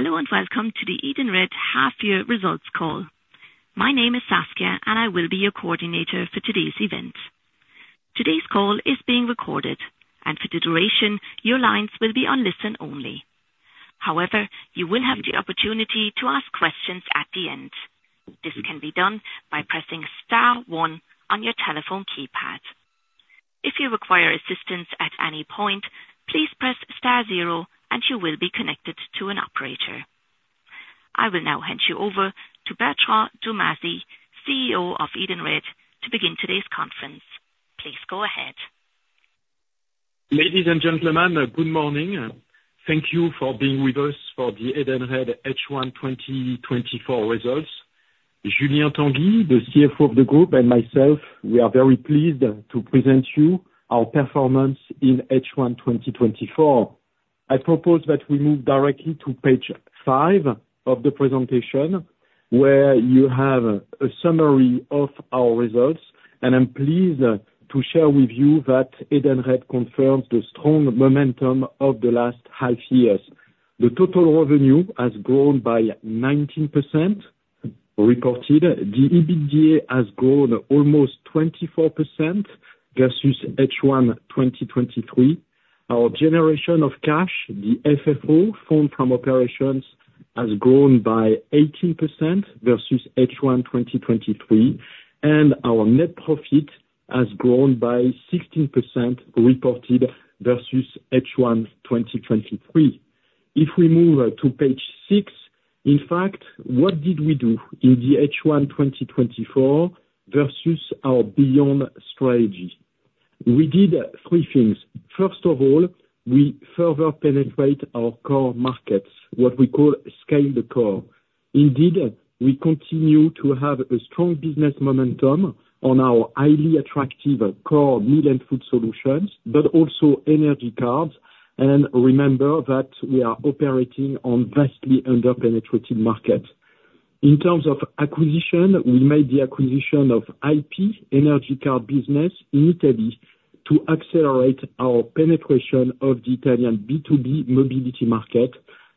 Hello, and welcome to the Edenred half year results call. My name is Saskia, and I will be your coordinator for today's event. Today's call is being recorded, and for the duration, your lines will be on listen only. However, you will have the opportunity to ask questions at the end. This can be done by pressing star one on your telephone keypad. If you require assistance at any point, please press star zero, and you will be connected to an operator. I will now hand you over to Bertrand Dumazy, CEO of Edenred, to begin today's conference. Please go ahead. Ladies and gentlemen, good morning, and thank you for being with us for the Edenred H1 2024 results. Julien Tanguy, the CFO of the group, and myself, we are very pleased to present you our performance in H1 2024. I propose that we move directly to page 5 of the presentation, where you have a summary of our results, and I'm pleased to share with you that Edenred confirms the strong momentum of the last half years. The total revenue has grown by 19%, recorded. The EBITDA has grown almost 24% versus H1 2023. Our generation of cash, the FFO, funds from operations, has grown by 18% versus H1 2023, and our net profit has grown by 16%, reported versus H1 2023. If we move to page 6, in fact, what did we do in the H1 2024 versus our Beyond strategy? We did three things. First of all, we further penetrate our core markets, what we call scale the core. Indeed, we continue to have a strong business momentum on our highly attractive core meal and food solutions, but also energy cards. Remember that we are operating on vastly under-penetrated markets. In terms of acquisition, we made the acquisition of IP energy card business in Italy to accelerate our penetration of the Italian B2B mobility market.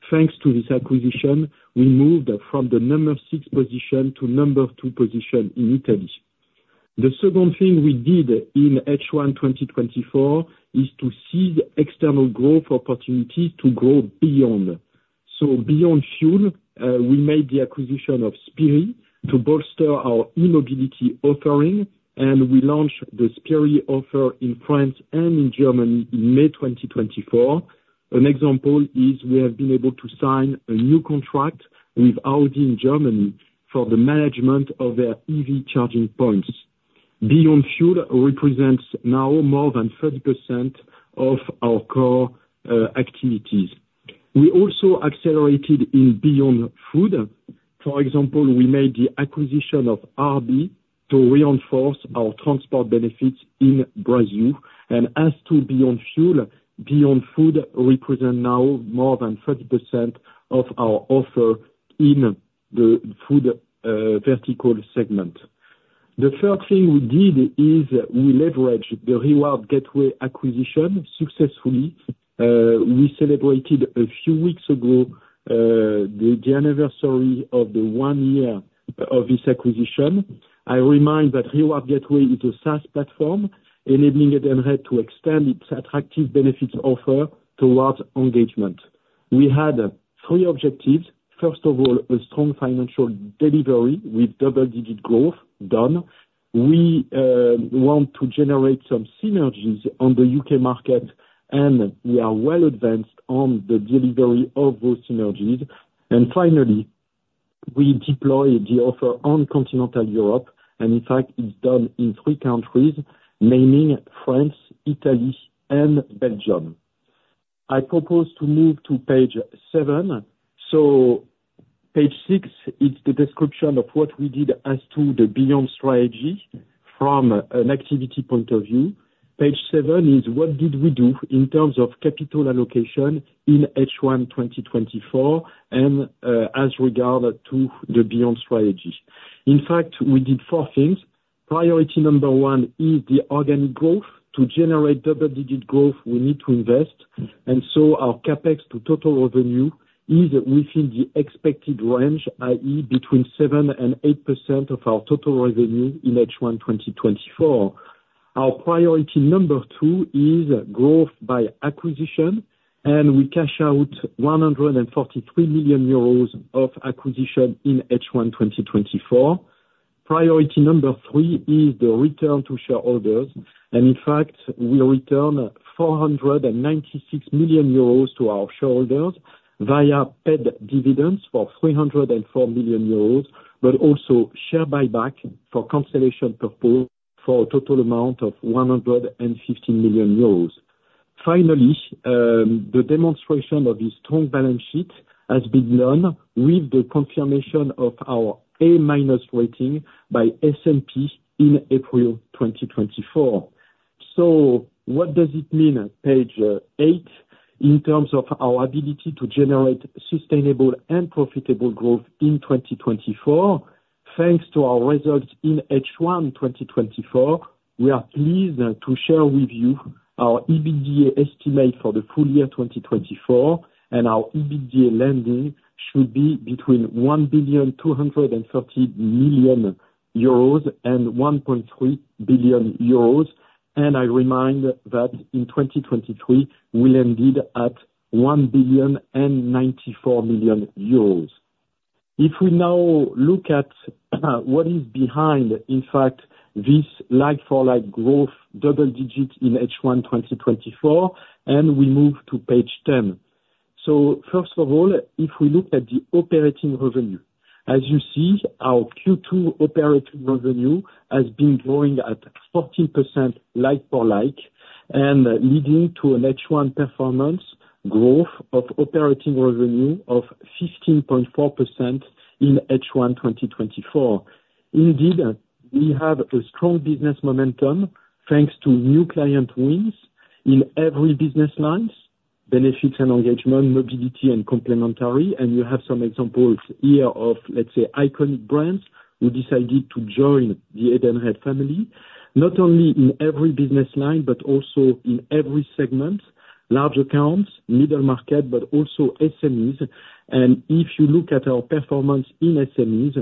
Thanks to this acquisition, we moved from the number 6 position to number 2 position in Italy. The second thing we did in H1 2024 is to seize external growth opportunities to grow beyond. Beyond Fuel, we made the acquisition of Spirii to bolster our e-mobility offering, and we launched the Spirii offer in France and in Germany in May 2024. An example is we have been able to sign a new contract with UTA in Germany for the management of their EV charging points. Beyond Fuel represents now more than 30% of our core activities. We also accelerated in Beyond Food. For example, we made the acquisition of RB to reinforce our transport benefits in Brazil. And as to Beyond Fuel, Beyond Food represent now more than 30% of our offer in the food vertical segment. The third thing we did is we leveraged the Reward Gateway acquisition successfully. We celebrated a few weeks ago the anniversary of the one year of this acquisition. I remind that Reward Gateway is a SaaS platform, enabling Edenred to extend its attractive benefits offer towards engagement. We had three objectives. First of all, a strong financial delivery with double-digit growth, done. We want to generate some synergies on the UK market, and we are well advanced on the delivery of those synergies. And finally, we deploy the offer on continental Europe, and in fact, it's done in 3 countries, namely France, Italy, and Belgium. I propose to move to page 7. Page 6 is the description of what we did as to the Beyond strategy from an activity point of view. Page 7 is what did we do in terms of capital allocation in H1 2024, and as regard to the Beyond strategy. In fact, we did 4 things. Priority number 1 is the organic growth. To generate double-digit growth, we need to invest, and so our CapEx to total revenue is within the expected range, i.e., 7%-8% of our total revenue in H1 2024. Our priority number two is growth by acquisition, and we cash out 143 million euros of acquisition in H1 2024. Priority number three is the return to shareholders, and in fact, we return 496 million euros to our shareholders via paid dividends for 304 million euros, but also share buyback for cancellation purpose for a total amount of 150 million euros. Finally, the demonstration of this strong balance sheet has been done with the confirmation of our A- rating by S&P in April 2024. So what does it mean, page eight, in terms of our ability to generate sustainable and profitable growth in 2024?... Thanks to our results in H1 2024, we are pleased to share with you our EBITDA estimate for the full year 2024, and our EBITDA landing should be between 1.23 billion and 1.3 billion euros. I remind that in 2023, we landed at 1.094 billion. If we now look at what is behind, in fact, this like-for-like growth, double digits in H1 2024, and we move to page ten. So first of all, if we look at the operating revenue, as you see, our Q2 operating revenue has been growing at 14% like for like, and leading to an H1 performance growth of operating revenue of 15.4% in H1 2024. Indeed, we have a strong business momentum thanks to new client wins in every business lines, benefits and engagement, mobility and complementary. And you have some examples here of, let's say, iconic brands who decided to join the Edenred family, not only in every business line, but also in every segment, large accounts, middle market, but also SMEs. And if you look at our performance in SMEs,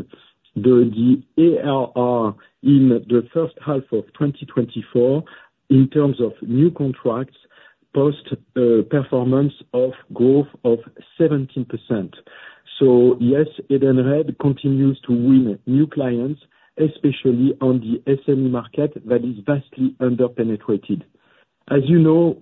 the ARR in the first half of 2024, in terms of new contracts, post performance of growth of 17%. So yes, Edenred continues to win new clients, especially on the SME market, that is vastly under-penetrated. As you know,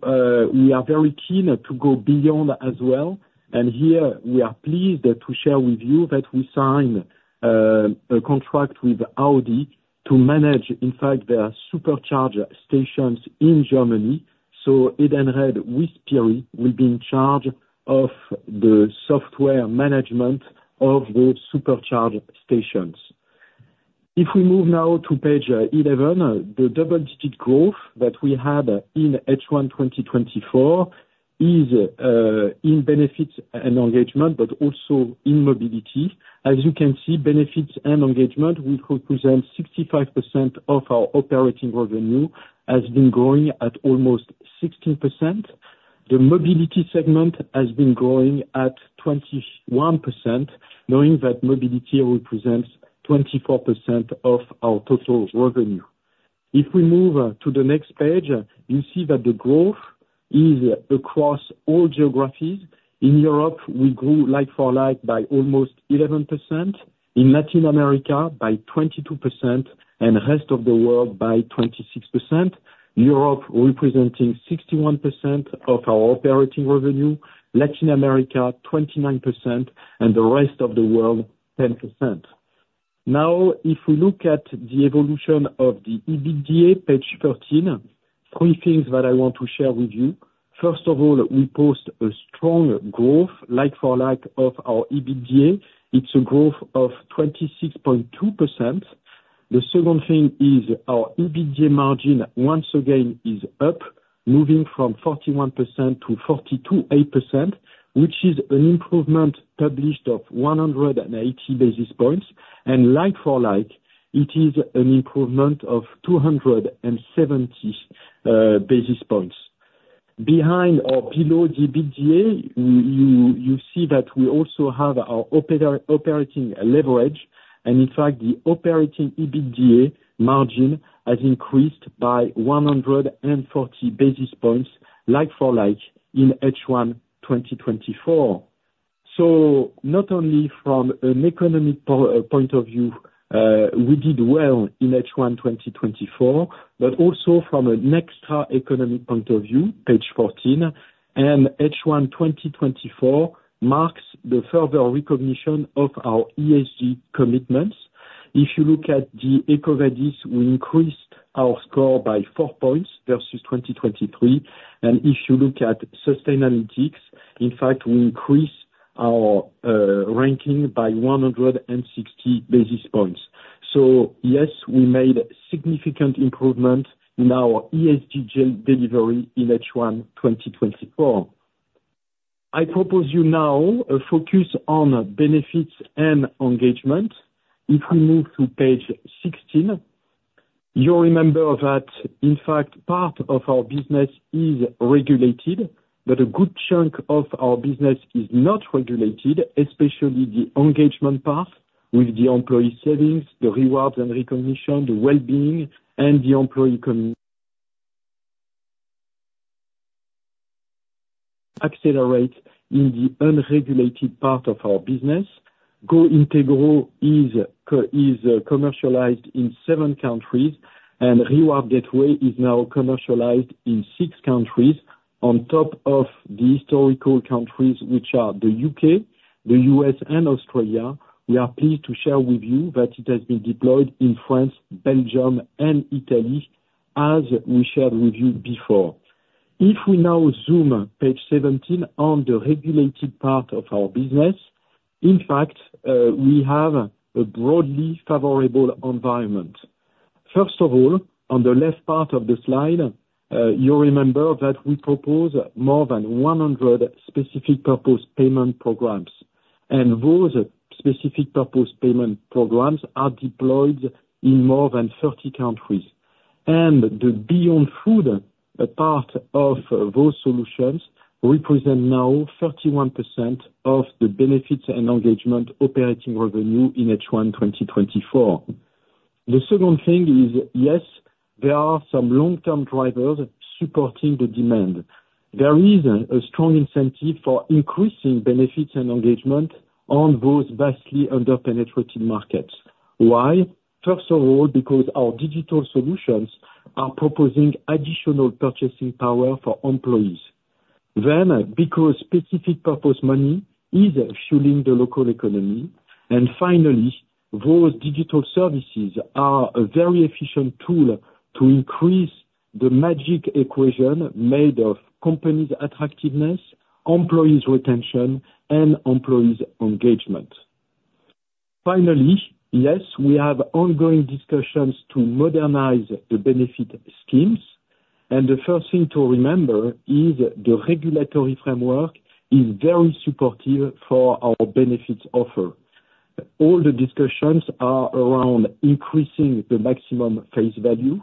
we are very keen to go beyond as well, and here we are pleased to share with you that we signed a contract with Audi to manage, in fact, their supercharger stations in Germany. So Edenred with Spirii will be in charge of the software management of the supercharged stations. If we move now to page 11, the double-digit growth that we had in H1 2024 is in benefits and engagement, but also in mobility. As you can see, benefits and engagement, which represent 65% of our operating revenue, has been growing at almost 16%. The mobility segment has been growing at 21%, knowing that mobility represents 24% of our total revenue. If we move to the next page, you see that the growth is across all geographies. In Europe, we grew like-for-like by almost 11%, in Latin America by 22%, and the rest of the world by 26%. Europe representing 61% of our operating revenue, Latin America 29%, and the rest of the world 10%. Now, if we look at the evolution of the EBITDA, page 13, three things that I want to share with you. First of all, we post a strong growth, like-for-like of our EBITDA. It's a growth of 26.2%. The second thing is our EBITDA margin, once again, is up, moving from 41% to 42.8%, which is an improvement published of 180 basis points, and like-for-like, it is an improvement of 270 basis points. Behind or below the EBITDA, you see that we also have our operating leverage, and in fact, the operating EBITDA margin has increased by 140 basis points like-for-like in H1 2024. So not only from an economic point of view, we did well in H1 2024, but also from an extra economic point of view, page 14, and H1 2024 marks the further recognition of our ESG commitments. If you look at the EcoVadis, we increased our score by 4 points versus 2023. And if you look at Sustainalytics, in fact, we increased our ranking by 160 basis points. So yes, we made significant improvement in our ESG delivery in H1 2024. I propose you now a focus on benefits and engagement. If we move to page 16, you remember that, in fact, part of our business is regulated, but a good chunk of our business is not regulated, especially the engagement part with the employee savings, the rewards and recognition, the well-being and the employee comm-... Accelerate in the unregulated part of our business. GOintegro is commercialized in seven countries, and Reward Gateway is now commercialized in six countries. On top of the historical countries, which are the U.K., the U.S. and Australia, we are pleased to share with you that it has been deployed in France, Belgium and Italy, as we shared with you before. If we now zoom, page 17, on the regulated part of our business, in fact, we have a broadly favorable environment. First of all, on the left part of the slide, you remember that we propose more than 100 specific purpose payment programs, and those specific purpose payment programs are deployed in more than 30 countries. And the Beyond Food, a part of those solutions represent now 31% of the benefits and engagement operating revenue in H1 2024. The second thing is, yes, there are some long-term drivers supporting the demand. There is a strong incentive for increasing benefits and engagement on those vastly under-penetrated markets. Why? First of all, because our digital solutions are proposing additional purchasing power for employees, then because specific purpose money is fueling the local economy. And finally, those digital services are a very efficient tool to increase the magic equation made of companies' attractiveness, employees' retention, and employees' engagement. Finally, yes, we have ongoing discussions to modernize the benefit schemes, and the first thing to remember is the regulatory framework is very supportive for our benefits offer. All the discussions are around increasing the maximum face value.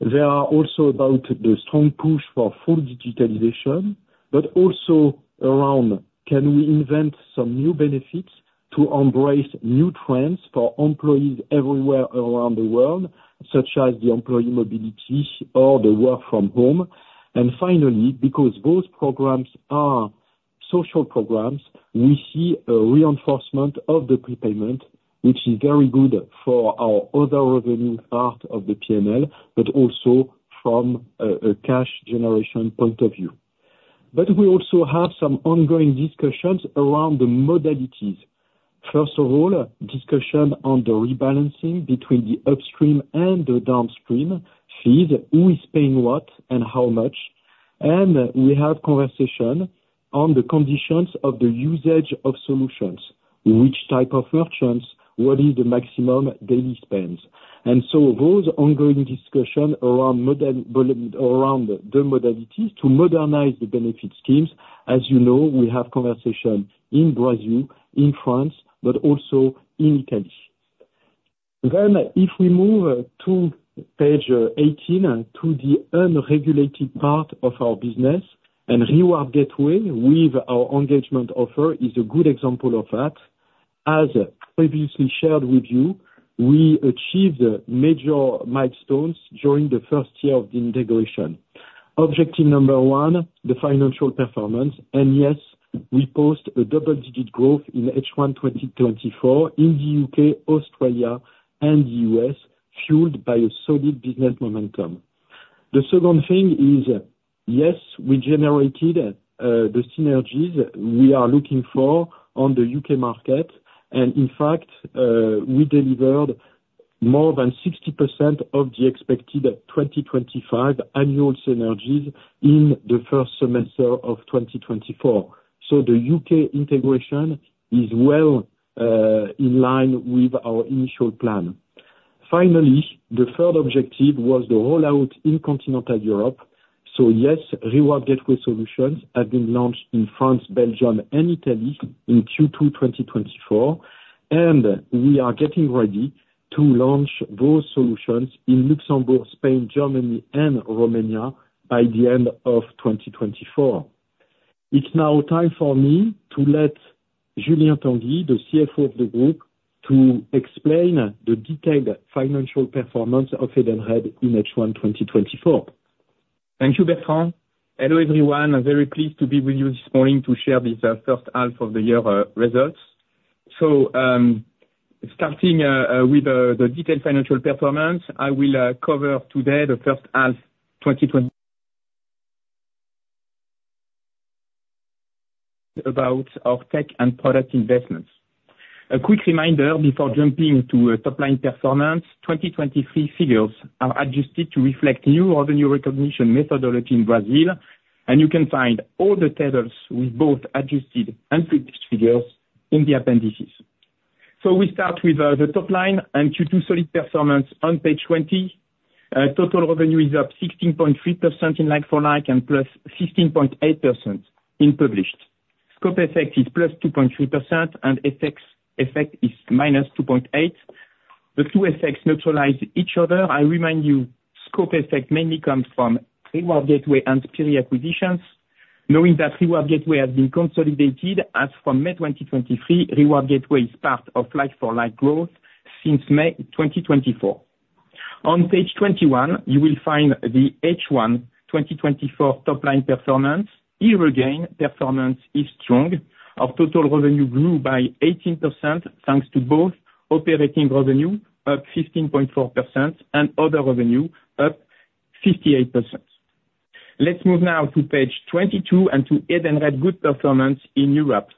They are also about the strong push for full digitalization, but also around can we invent some new benefits to embrace new trends for employees everywhere around the world, such as the employee mobility or the work from home. And finally, because those programs are social programs, we see a reinforcement of the prepayment, which is very good for our other revenue part of the P&L, but also from a cash generation point of view. But we also have some ongoing discussions around the modalities. First of all, discussion on the rebalancing between the upstream and the downstream fees, who is paying what and how much. And we have conversation on the conditions of the usage of solutions. Which type of merchants? What is the maximum daily spends? So those ongoing discussions around the modalities to modernize the benefits schemes, as you know, we have conversations in Brazil, in France, but also in Italy. Then if we move to page 18, and to the unregulated part of our business, and Reward Gateway, with our engagement offer, is a good example of that. As previously shared with you, we achieved major milestones during the first year of the integration. Objective number one, the financial performance, and yes, we post a double-digit growth in H1 2024 in the U.K., Australia, and U.S., fueled by a solid business momentum. The second thing is, yes, we generated the synergies we are looking for on the U.K. market. And in fact, we delivered more than 60% of the expected 2025 annual synergies in the first semester of 2024. So the UK integration is well, in line with our initial plan. Finally, the third objective was the rollout in continental Europe. So yes, Reward Gateway solutions have been launched in France, Belgium, and Italy in Q2 2024, and we are getting ready to launch those solutions in Luxembourg, Spain, Germany, and Romania by the end of 2024. It's now time for me to let Julien Tanguy, the CFO of the group, to explain the detailed financial performance of Edenred in H1 2024. Thank you, Bertrand. Hello, everyone. I'm very pleased to be with you this morning to share this first half of the year results. Starting with the detailed financial performance, I will cover today the first half 2024 about our tech and product investments. A quick reminder before jumping to top line performance, 2023 figures are adjusted to reflect new revenue recognition methodology in Brazil, and you can find all the tables with both adjusted and previous figures in the appendices. We start with the top line, and Q2 solid performance on page 20. Total revenue is up 16.3% in like-for-like, and +16.8% in published. Scope effect is +2.3%, and FX effect is -2.8%. The two effects neutralize each other. I remind you, scope effect mainly comes from Reward Gateway and period acquisitions. Knowing that Reward Gateway has been consolidated as from May 2023, Reward Gateway is part of like-for-like growth since May 2024. On page 21, you will find the H1 2024 top line performance. Here, again, performance is strong. Our total revenue grew by 18%, thanks to both operating revenue, up 15.4%, and other revenue, up 58%. Let's move now to page 22, and to Edenred's good performance in Europe.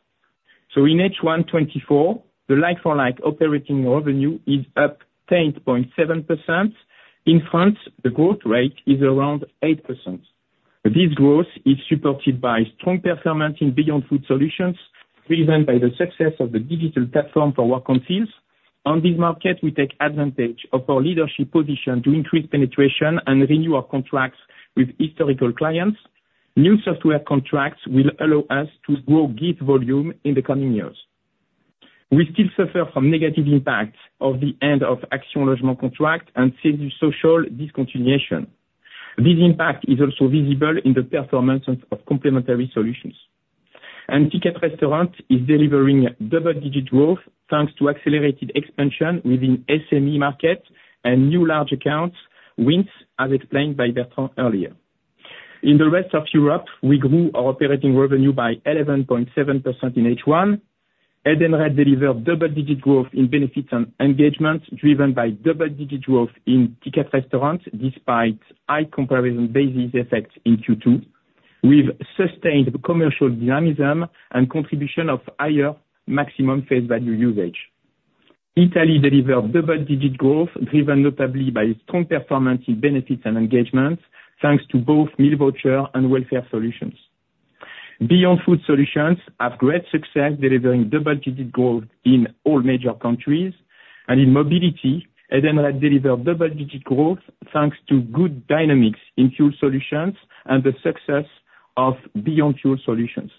So in H1 2024, the like-for-like operating revenue is up 10.7%. In France, the growth rate is around 8%. This growth is supported by strong performance in Beyond Food Solutions, driven by the success of the digital platform for Works Councils. On this market, we take advantage of our leadership position to increase penetration and renew our contracts with historical clients. New software contracts will allow us to grow gift volume in the coming years. We still suffer from negative impacts of the end of Action Logement contract and CESU Social discontinuation. This impact is also visible in the performance of complementary solutions. Ticket Restaurant is delivering double-digit growth, thanks to accelerated expansion within SME market and new large accounts wins, as explained by Bertrand earlier. In the rest of Europe, we grew our operating revenue by 11.7% in H1. Edenred delivered double-digit growth in benefits and engagement, driven by double-digit growth in Ticket Restaurant, despite high comparison basis effects in Q2, with sustained commercial dynamism and contribution of higher maximum face value usage. Italy delivered double-digit growth, driven notably by strong performance in benefits and engagements, thanks to both meal voucher and welfare solutions. Beyond Food Solutions have great success, delivering double-digit growth in all major countries. And in mobility, Edenred delivered double-digit growth, thanks to good dynamics in fuel solutions and the success of Beyond Fuel Solutions.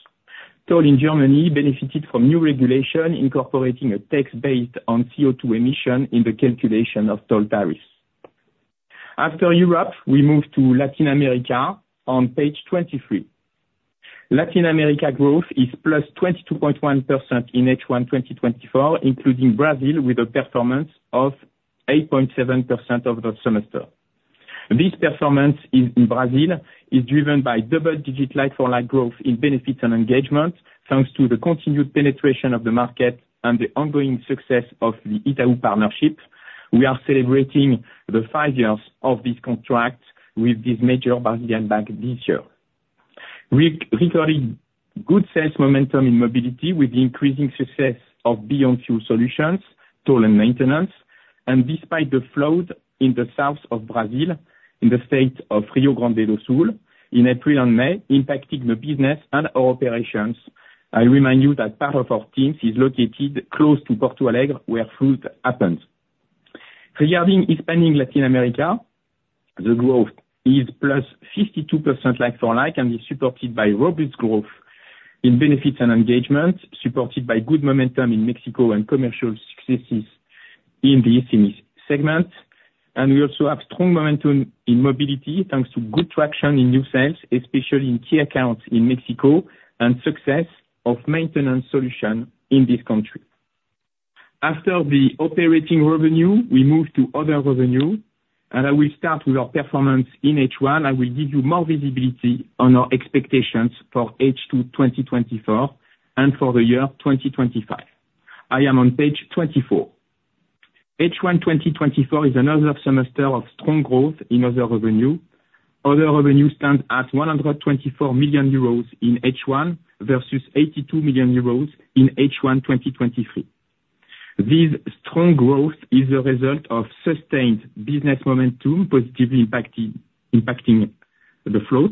Toll in Germany benefited from new regulation, incorporating a tax based on CO2 emission in the calculation of toll tariffs. After Europe, we move to Latin America on page 23. Latin America growth is +22.1% in H1 2024, including Brazil, with a performance of 8.7% over the semester. This performance in Brazil is driven by double-digit like-for-like growth in benefits and engagement, thanks to the continued penetration of the market and the ongoing success of the Itaú partnership. We are celebrating the five years of this contract with this major Brazilian bank this year. We recorded good sales momentum in mobility, with the increasing success of Beyond Fuel Solutions, toll and maintenance, and despite the flood in the south of Brazil, in the state of Rio Grande do Sul, in April and May, impacting the business and our operations. I remind you that part of our teams is located close to Porto Alegre, where flood happened. Regarding expanding Latin America, the growth is +52% like-for-like, and is supported by robust growth in benefits and engagement, supported by good momentum in Mexico and commercial successes in the SME segment. We also have strong momentum in mobility, thanks to good traction in new sales, especially in key accounts in Mexico, and success of maintenance solution in this country. After the operating revenue, we move to other revenue, and I will start with our performance in H1. I will give you more visibility on our expectations for H2 2024, and for the year 2025. I am on page 24. H1 2024 is another semester of strong growth in other revenue. Other revenue stands at 124 million euros in H1, versus 82 million euros in H1 2023. This strong growth is a result of sustained business momentum, positively impacted, impacting the flows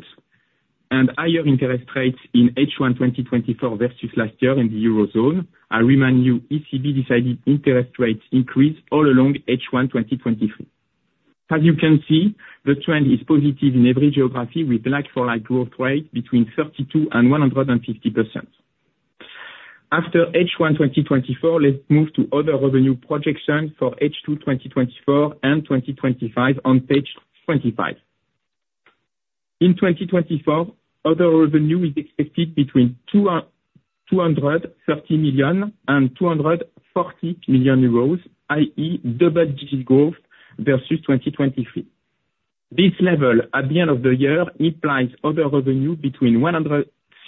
and higher interest rates in H1 2024 versus last year in the Eurozone. I remind you, ECB decided interest rates increase all along H1 2023. As you can see, the trend is positive in every geography, with like-for-like growth rate between 32% and 150%. After H1 2024, let's move to other revenue projections for H2 2024 and 2025 on page 25. In 2024, other revenue is expected between 230 million and 240 million euros, i.e., double-digit growth versus 2023. This level, at the end of the year, implies other revenue between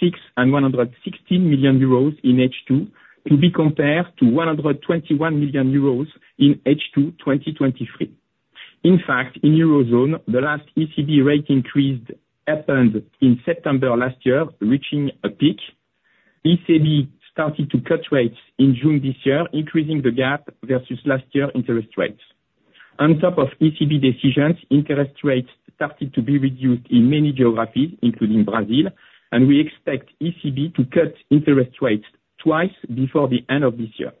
106 million and 116 million euros in H2, to be compared to 121 million euros in H2 2023. In fact, in Eurozone, the last ECB rate increased happened in September last year, reaching a peak. ECB started to cut rates in June this year, increasing the gap versus last year interest rates. On top of ECB decisions, interest rates started to be reduced in many geographies, including Brazil, and we expect ECB to cut interest rates twice before the end of this year.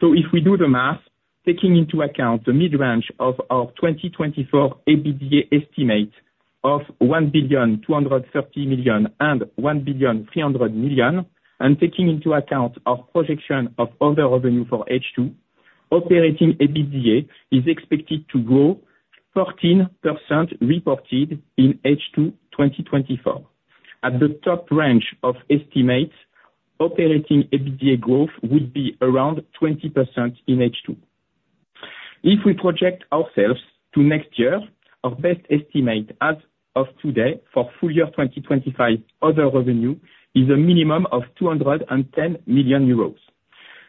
So if we do the math, taking into account the mid-range of our 2024 EBITDA estimate of 1,230 million and 1,300 million, and taking into account our projection of other revenue for H2, operating EBITDA is expected to grow 14%, reported in H2, 2024. At the top range of estimates, operating EBITDA growth would be around 20% in H2. If we project ourselves to next year, our best estimate as of today for full year 2025, other revenue is a minimum of 210 million euros.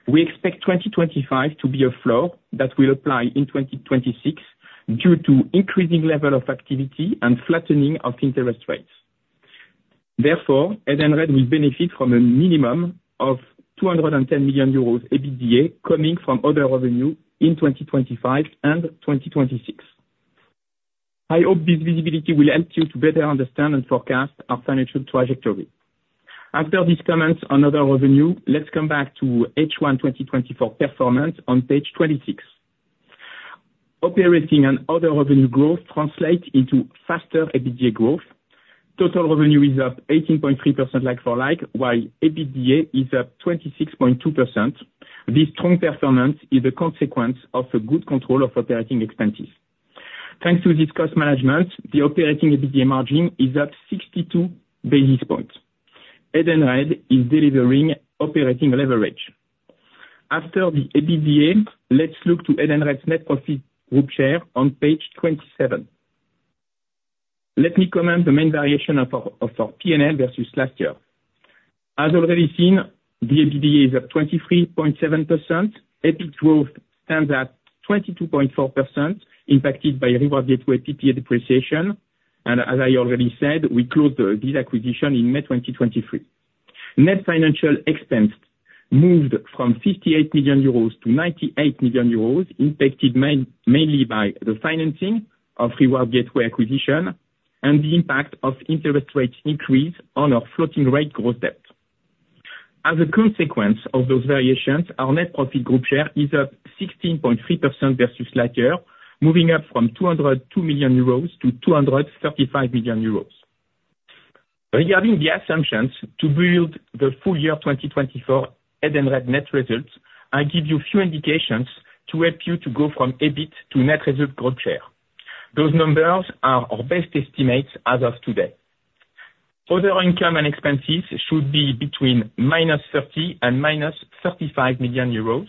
We expect 2025 to be a flow that will apply in 2026, due to increasing level of activity and flattening of interest rates. Therefore, Edenred will benefit from a minimum of 210 million euros EBITDA, coming from other revenue in 2025 and 2026. I hope this visibility will help you to better understand and forecast our financial trajectory. After these comments on other revenue, let's come back to H1 2024 performance on page 26. Operating and other revenue growth translate into faster EBITDA growth. Total revenue is up 18.3% like-for-like, while EBITDA is up 26.2%. This strong performance is a consequence of a good control of operating expenses. Thanks to this cost management, the operating EBITDA margin is at 62 basis points. Edenred is delivering operating leverage. After the EBITDA, let's look to Edenred's net profit group share on page 27. Let me comment the main variation of our P&L versus last year. As already seen, the EBITDA is up 23.7%. EBIT growth stands at 22.4%, impacted by Reward Gateway PPA depreciation, and as I already said, we closed this acquisition in May 2023. Net financial expense moved from 58 million euros to 98 million euros, impacted mainly by the financing of Reward Gateway acquisition and the impact of interest rate increase on our floating rate gross debt. As a consequence of those variations, our net profit group share is up 16.3% versus last year, moving up from 202 million euros to 235 million euros. Regarding the assumptions to build the full year 2024 Edenred net results, I give you a few indications to help you to go from EBIT to net result group share. Those numbers are our best estimates as of today. Other income and expenses should be between -30 million and -35 million euros.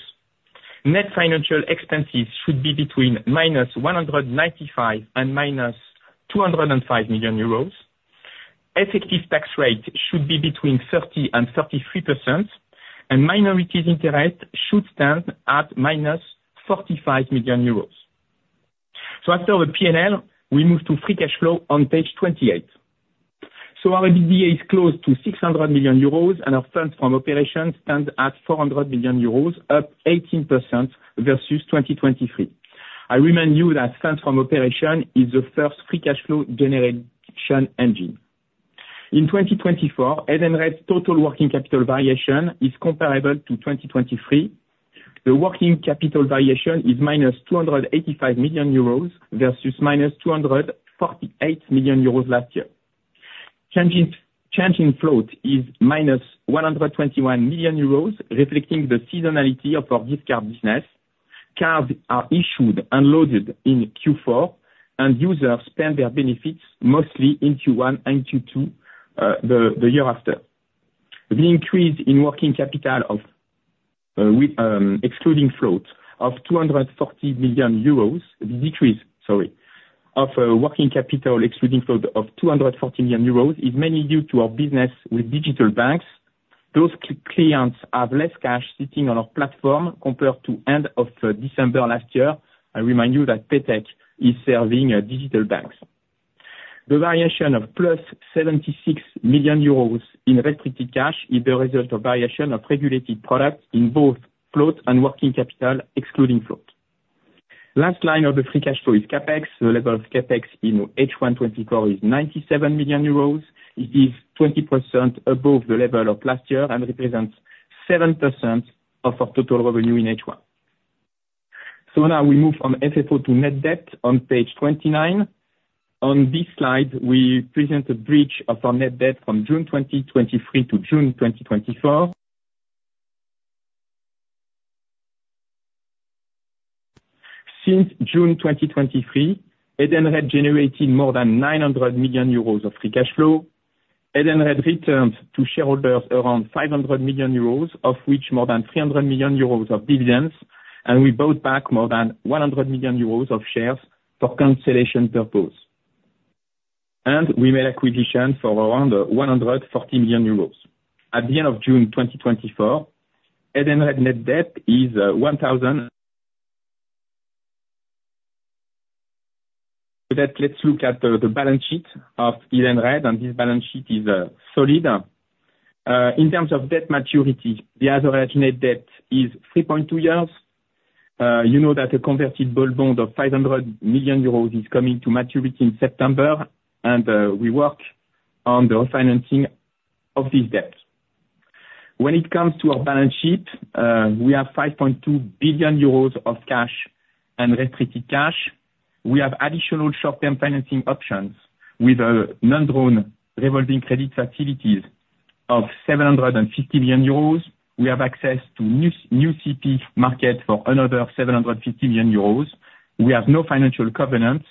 Net financial expenses should be between -195 million and -205 million euros. Effective tax rate should be between 30% and 33%, and minority interests should stand at -45 million euros. So after the P&L, we move to free cash flow on page 28. So our EBITDA is close to 600 million euros, and our funds from operations stand at 400 million euros, up 18% versus 2023. I remind you that funds from operations is the first free cash flow generation engine. In 2024, Edenred's total working capital variation is comparable to 2023. The working capital variation is -285 million euros versus -248 million euros last year. Change in float is minus 121 million euros, reflecting the seasonality of our discount business. Cards are issued and loaded in Q4, and users spend their benefits mostly in Q1 and Q2, the year after. The increase in working capital of, excluding float, of 240 million euros. Decrease, sorry, of working capital excluding float of 240 million euros, is mainly due to our business with digital banks. Those clients have less cash sitting on our platform compared to end of December last year. I remind you that PayTech is serving digital banks. The variation of +76 million euros in restricted cash is the result of variation of regulated products in both float and working capital, excluding float. Last line of the free cash flow is CapEx. The level of CapEx in H1 2024 is 97 million euros. It is 20% above the level of last year and represents 7% of our total revenue in H1. So now we move from FFO to net debt on page 29. On this slide, we present a bridge of our net debt from June 2023 to June 2024. Since June 2023, Edenred generated more than 900 million euros of free cash flow. Edenred returned to shareholders around 500 million euros, of which more than 300 million euros are dividends, and we bought back more than 100 million euros of shares for cancellation purpose. We made acquisition for around 140 million euros. At the end of June 2024, Edenred net debt is 1,000 million. With that, let's look at the balance sheet of Edenred, and this balance sheet is solid. In terms of debt maturity, the average net debt is 3.2 years. You know that a convertible bond of 500 million euros is coming to maturity in September, and we work on the financing of this debt. When it comes to our balance sheet, we have 5.2 billion euros of cash and restricted cash. We have additional short-term financing options with non-drawn revolving credit facilities of 750 million euros. We have access to new city market for another 750 million euros. We have no financial covenants,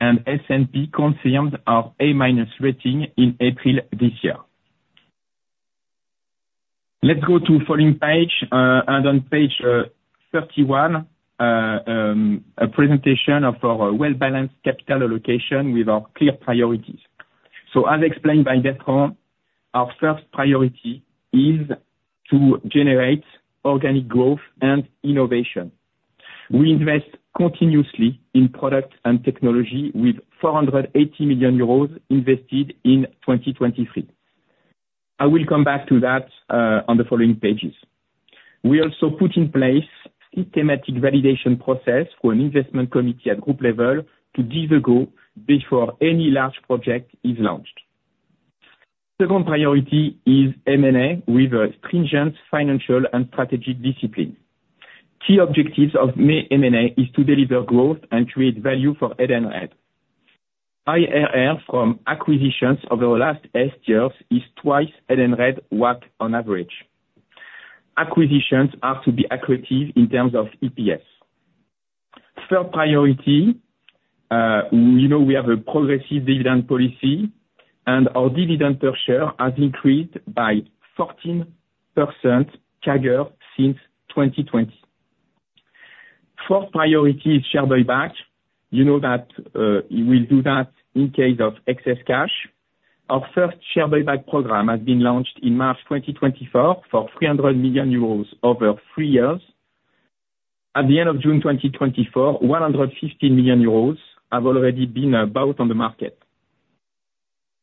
and S&P confirmed our A- rating in April this year. Let's go to following page, and on page 31, a presentation of our well-balanced capital allocation with our clear priorities. So as explained by Bertrand, our first priority is to generate organic growth and innovation. We invest continuously in product and technology, with 480 million euros invested in 2023. I will come back to that on the following pages. We also put in place systematic validation process for an investment committee at group level to give the go before any large project is launched. Second priority is M&A with a stringent financial and strategic discipline. Key objectives of M&A is to deliver growth and create value for Edenred. IRR from acquisitions over the last eight years is twice Edenred WACC on average. Acquisitions are to be accretive in terms of EPS. Third priority, you know, we have a progressive dividend policy, and our dividend per share has increased by 14% CAGR since 2020. Fourth priority is share buyback. You know that, we'll do that in case of excess cash. Our first share buyback program has been launched in March 2024, for 300 million euros over three years. At the end of June 2024, 150 million euros have already been bought on the market.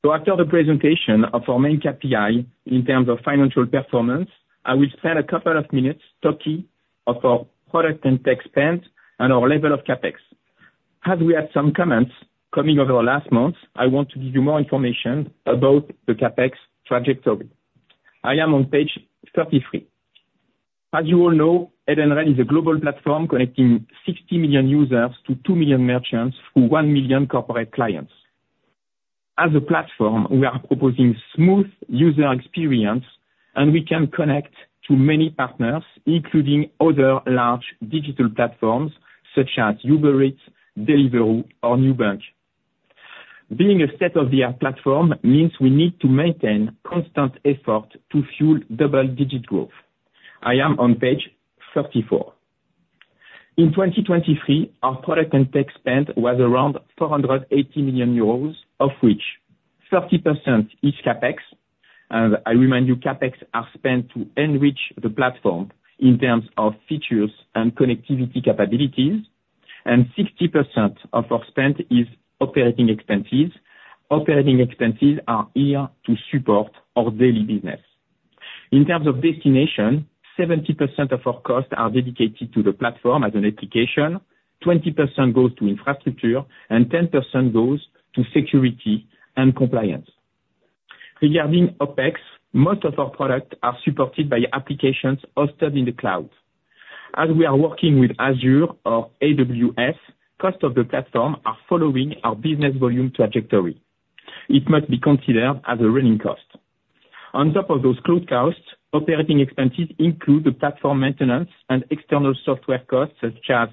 After the presentation of our main KPI in terms of financial performance, I will spend a couple of minutes talking of our product and tech spend and our level of CapEx. As we had some comments coming over last month, I want to give you more information about the CapEx trajectory. I am on page 33. As you all know, Edenred is a global platform connecting 60 million users to 2 million merchants through 1 million corporate clients. As a platform, we are proposing smooth user experience, and we can connect to many partners, including other large digital platforms such as Uber Eats, Deliveroo, or Nubank. Being a state-of-the-art platform means we need to maintain constant effort to fuel double-digit growth. I am on page 34. In 2023, our product and tech spend was around 480 million euros, of which 30% is CapEx. And I remind you, CapEx are spent to enrich the platform in terms of features and connectivity capabilities, and 60% of our spend is operating expenses. Operating expenses are here to support our daily business. In terms of destination, 70% of our costs are dedicated to the platform as an application, 20% goes to infrastructure, and 10% goes to security and compliance. Regarding OpEx, most of our products are supported by applications hosted in the cloud. As we are working with Azure or AWS, cost of the platform are following our business volume trajectory. It might be considered as a running cost. On top of those cloud costs, operating expenses include the platform maintenance and external software costs such as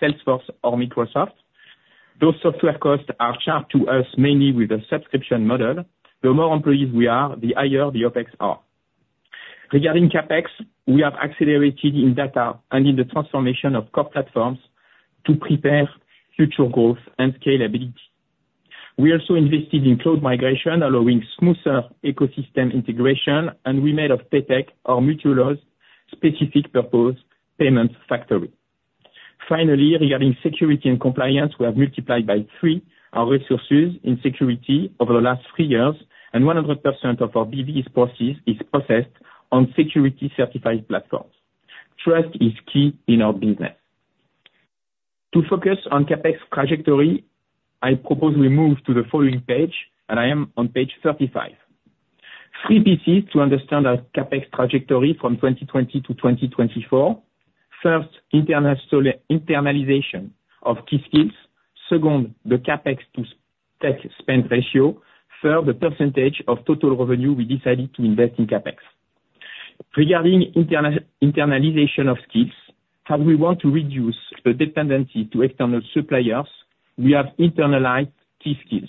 Salesforce or Microsoft. Those software costs are charged to us mainly with a subscription model. The more employees we are, the higher the OpEx are. Regarding CapEx, we have accelerated in data and in the transformation of core platforms to prepare future growth and scalability. We also invested in cloud migration, allowing smoother ecosystem integration, and we made of PayTech our mutual specific purpose payment factory. Finally, regarding security and compliance, we have multiplied by 3 our resources in security over the last 3 years, and 100% of our business process is processed on security-certified platforms. Trust is key in our business. To focus on CapEx trajectory, I propose we move to the following page, and I am on page 35. Three pieces to understand our CapEx trajectory from 2020 to 2024. First, internalisation of key skills. Second, the CapEx to tech spend ratio. Third, the percentage of total revenue we decided to invest in CapEx. Regarding internalisation of skills, how we want to reduce the dependency to external suppliers, we have internalized key skills.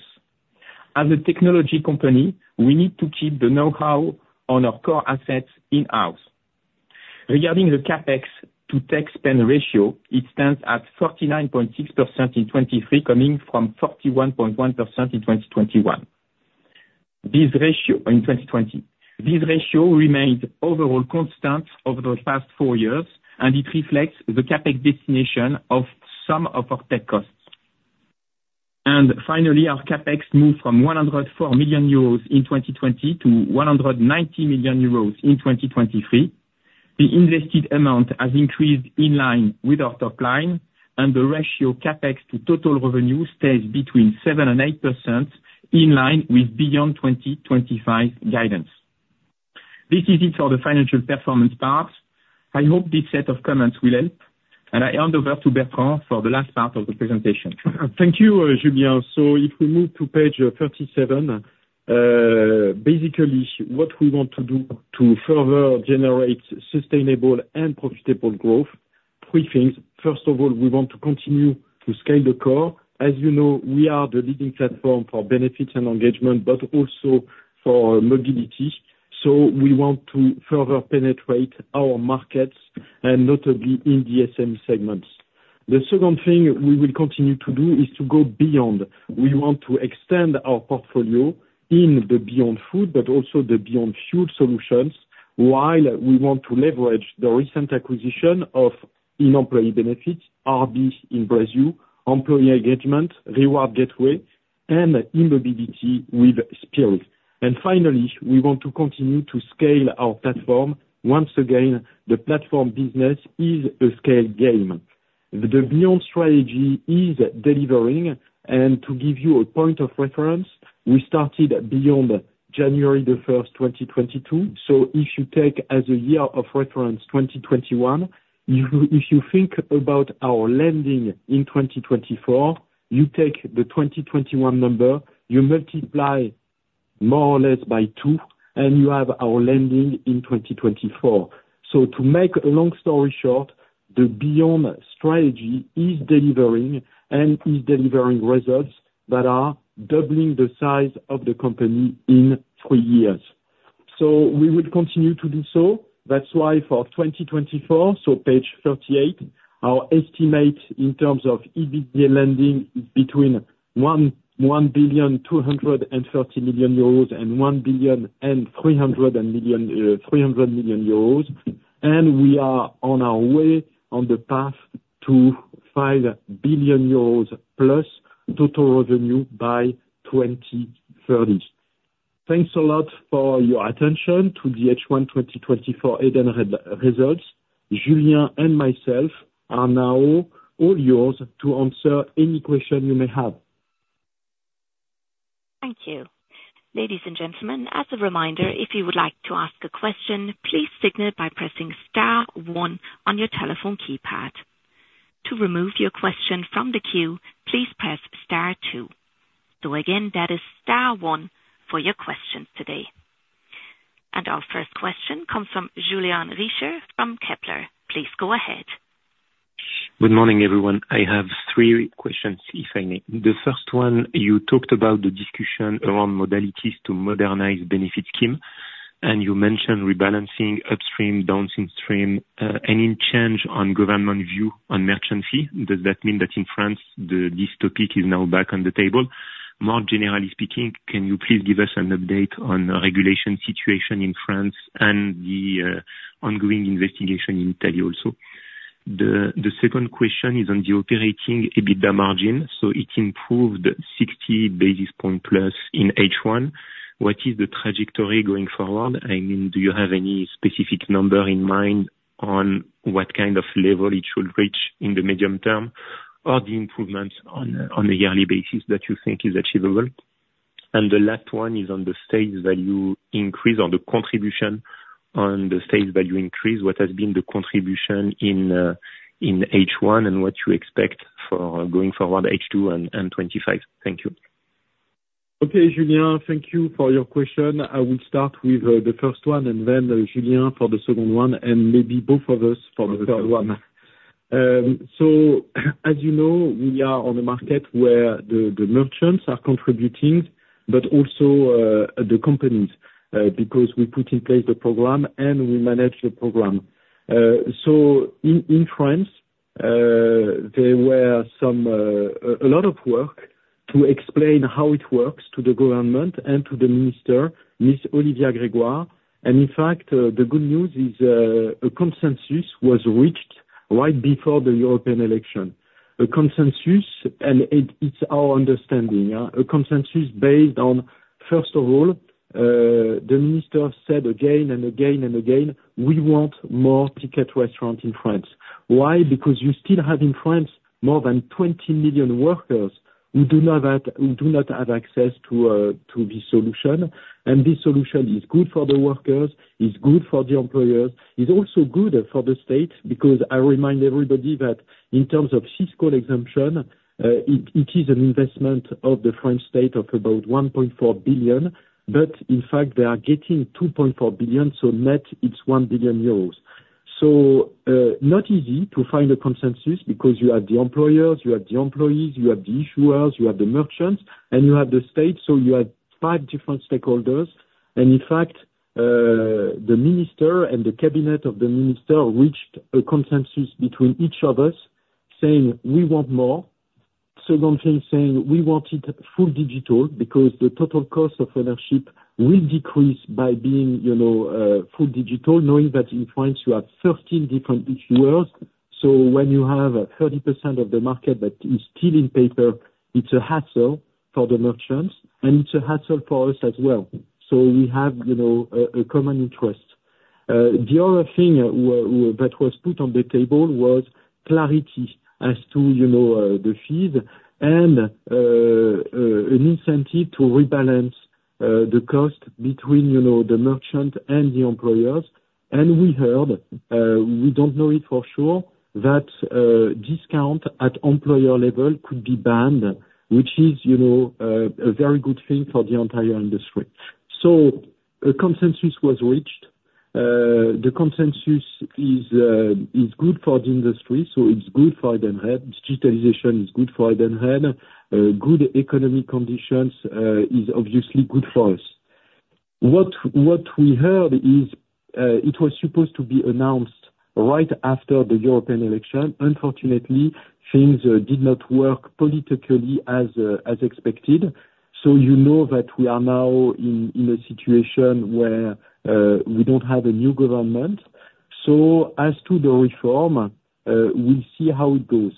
As a technology company, we need to keep the know-how on our core assets in-house. Regarding the CapEx to tech spend ratio, it stands at 49.6% in 2023, coming from 41.1% in 2021. This ratio—in 2020. This ratio remained overall constant over the past four years, and it reflects the CapEx destination of some of our tech costs. And finally, our CapEx moved from 104 million euros in 2020 to 190 million euros in 2023. The invested amount has increased in line with our top line, and the ratio CapEx to total revenue stays between 7% and 8%, in line with Beyond 2025 guidance. This is it for the financial performance part. I hope this set of comments will help, and I hand over to Bertrand for the last part of the presentation. Thank you, Julien. So if we move to page 37, basically what we want to do to further generate sustainable and profitable growth, three things. First of all, we want to continue to scale the core. As you know, we are the leading platform for benefits and engagement, but also for mobility. So we want to further penetrate our markets, and notably in the SME segments. The second thing we will continue to do is to go beyond. We want to extend our portfolio in the Beyond Food, but also the Beyond Food solutions, while we want to leverage the recent acquisition of in-employee benefits, RB in Brazil, employee engagement, Reward Gateway, and in mobility with Spirii. And finally, we want to continue to scale our platform. Once again, the platform business is a scale game. The Beyond strategy is delivering, and to give you a point of reference, we started Beyond January 1, 2022, so if you take as a year of reference 2021, if you think about our lending in 2024, you take the 2021 number, you multiply more or less by 2, and you have our lending in 2024. So to make a long story short, the Beyond strategy is delivering, and is delivering results that are doubling the size of the company in three years. So we will continue to do so. That's why for 2024, so page 38, our estimate in terms of EBITDA lending is between 1.23 billion euros and 1.3 billion euros. We are on our way on the path to 5 billion euros plus total revenue by 2030. Thanks a lot for your attention to the H1 2024 Edenred results. Julien and myself are now all yours to answer any question you may have. Thank you. Ladies and gentlemen, as a reminder, if you would like to ask a question, please signal by pressing star one on your telephone keypad. To remove your question from the queue, please press star two. So again, that is star one for your questions today. And our first question comes from Julien Richer from Kepler. Please go ahead. Good morning, everyone. I have three questions, if I may. The first one, you talked about the discussion around modalities to modernize benefits scheme, and you mentioned rebalancing upstream, downstream. Any change on government view on merchant fee? Does that mean that in France, the, this topic is now back on the table? More generally speaking, can you please give us an update on the regulation situation in France and the ongoing investigation in Italy also? The second question is on the operating EBITDA margin, so it improved 60 basis points plus in H1. What is the trajectory going forward? I mean, do you have any specific number in mind on what kind of level it should reach in the medium term, or the improvements on a yearly basis that you think is achievable? The last one is on the stage value increase on the contribution, on the stage value increase. What has been the contribution in H1, and what you expect for going forward, H2 and 2025? Thank you. Okay, Julien, thank you for your question. I will start with the first one, and then Julien, for the second one, and maybe both of us for the third one. So as you know, we are on a market where the merchants are contributing, but also the companies because we put in place the program and we manage the program. So in France, there were some a lot of work to explain how it works to the government and to the minister, Ms. Olivia Grégoire. And in fact, the good news is a consensus was reached right before the European election. A consensus, and it's our understanding a consensus based on, first of all, the minister said again and again, and again, "We want more Ticket Restaurant in France." Why? Because you still have in France more than 20 million workers who do not have access to this solution. And this solution is good for the workers, it's good for the employers, it's also good for the state, because I remind everybody that in terms of fiscal exemption, it is an investment of the French state of about 1.4 billion. But in fact, they are getting 2.4 billion, so net, it's 1 billion euros. So, not easy to find a consensus, because you have the employers, you have the employees, you have the issuers, you have the merchants, and you have the state, so you have five different stakeholders. In fact, the minister and the cabinet of the minister reached a consensus between each of us, saying, "We want more." Second thing saying, "We want it full digital," because the total cost of ownership will decrease by being, you know, full digital, knowing that in France you have 13 different issuers. So when you have 30% of the market that is still in paper, it's a hassle for the merchants, and it's a hassle for us as well. So we have, you know, a common interest. The other thing that was put on the table was clarity as to, you know, the fees, and an incentive to rebalance the cost between, you know, the merchant and the employers. We heard, we don't know it for sure, that discount at employer level could be banned, which is, you know, a very good thing for the entire industry. So a consensus was reached. The consensus is good for the industry, so it's good for Edenred. Digitalization is good for Edenred. Good economic conditions is obviously good for us. What we heard is it was supposed to be announced right after the European election; unfortunately, things did not work politically as expected. So you know that we are now in a situation where we don't have a new government. So as to the reform, we'll see how it goes.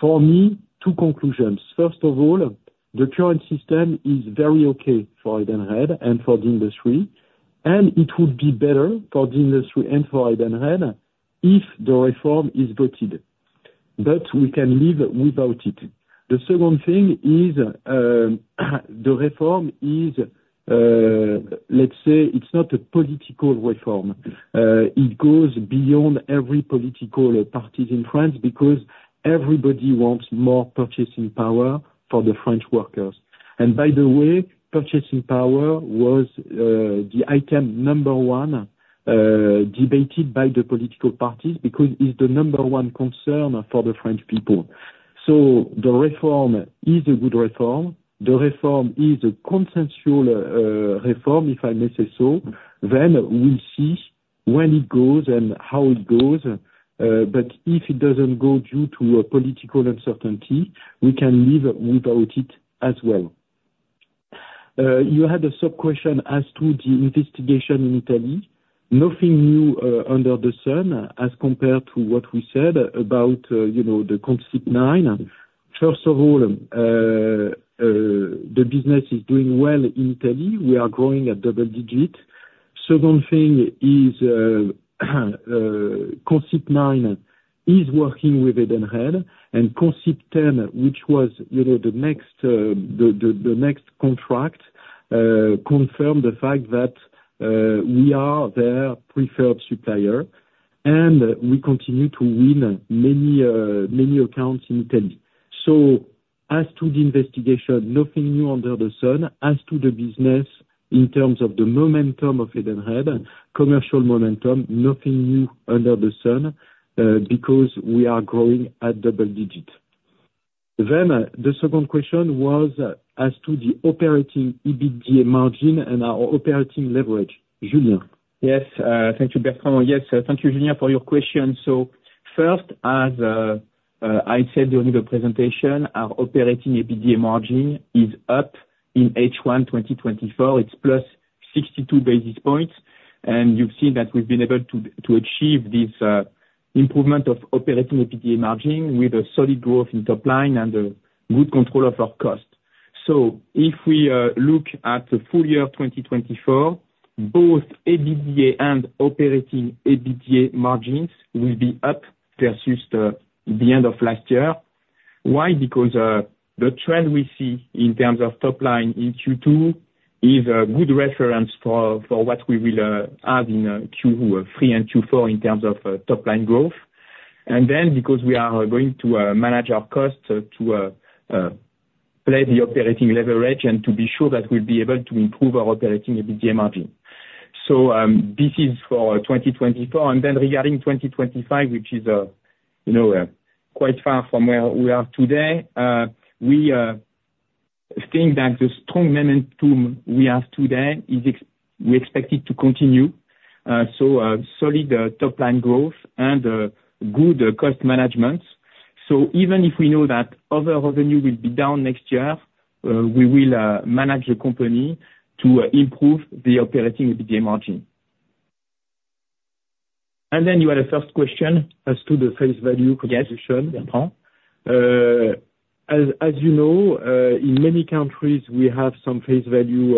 For me, two conclusions: first of all, the current system is very okay for Edenred and for the industry, and it would be better for the industry and for Edenred if the reform is voted, but we can live without it. The second thing is, the reform is, let's say, it's not a political reform. It goes beyond every political parties in France, because everybody wants more purchasing power for the French workers. And by the way, purchasing power was, the item number one, debated by the political parties, because it's the number one concern for the French people. So the reform is a good reform. The reform is a consensual, reform, if I may say so, then we'll see where it goes and how it goes, but if it doesn't go due to a political uncertainty, we can live without it as well. You had a sub-question as to the investigation in Italy. Nothing new, under the sun as compared to what we said about, you know, the consip 9. First of all, the business is doing well in Italy. We are growing at double-digit. Second thing is, Consip 9 is working with Edenred, and Consip 10, which was, you know, the next, the next contract, confirmed the fact that, we are their preferred supplier, and we continue to win many, many accounts in Italy. So as to the investigation, nothing new under the sun. As to the business in terms of the momentum of Edenred, commercial momentum, nothing new under the sun, because we are growing at double digit. Then, the second question was as to the operating EBITDA margin and our operating leverage. Junior? Yes, thank you, Bertrand. Yes, thank you, Julien, for your question. So first, as I said during the presentation, our operating EBITDA margin is up in H1 2024. It's plus 62 basis points, and you've seen that we've been able to achieve this improvement of operating EBITDA margin with a solid growth in top line and a good control of our cost. So if we look at the full year of 2024, both EBITDA and operating EBITDA margins will be up versus the end of last year. Why? Because the trend we see in terms of top line in Q2 is a good reference for what we will have in Q3 and Q4 in terms of top line growth. Because we are going to manage our cost to play the operating leverage and to be sure that we'll be able to improve our operating EBITDA margin. So this is for 2024, and then regarding 2025, which is, you know, quite far from where we are today, we think that the strong momentum we have today is expected to continue. So solid top line growth and good cost management. So even if we know that other revenue will be down next year, we will manage the company to improve the operating EBITDA margin. And then you had a first question as to the face value position. Yes, Bertrand. As you know, in many countries, we have some face value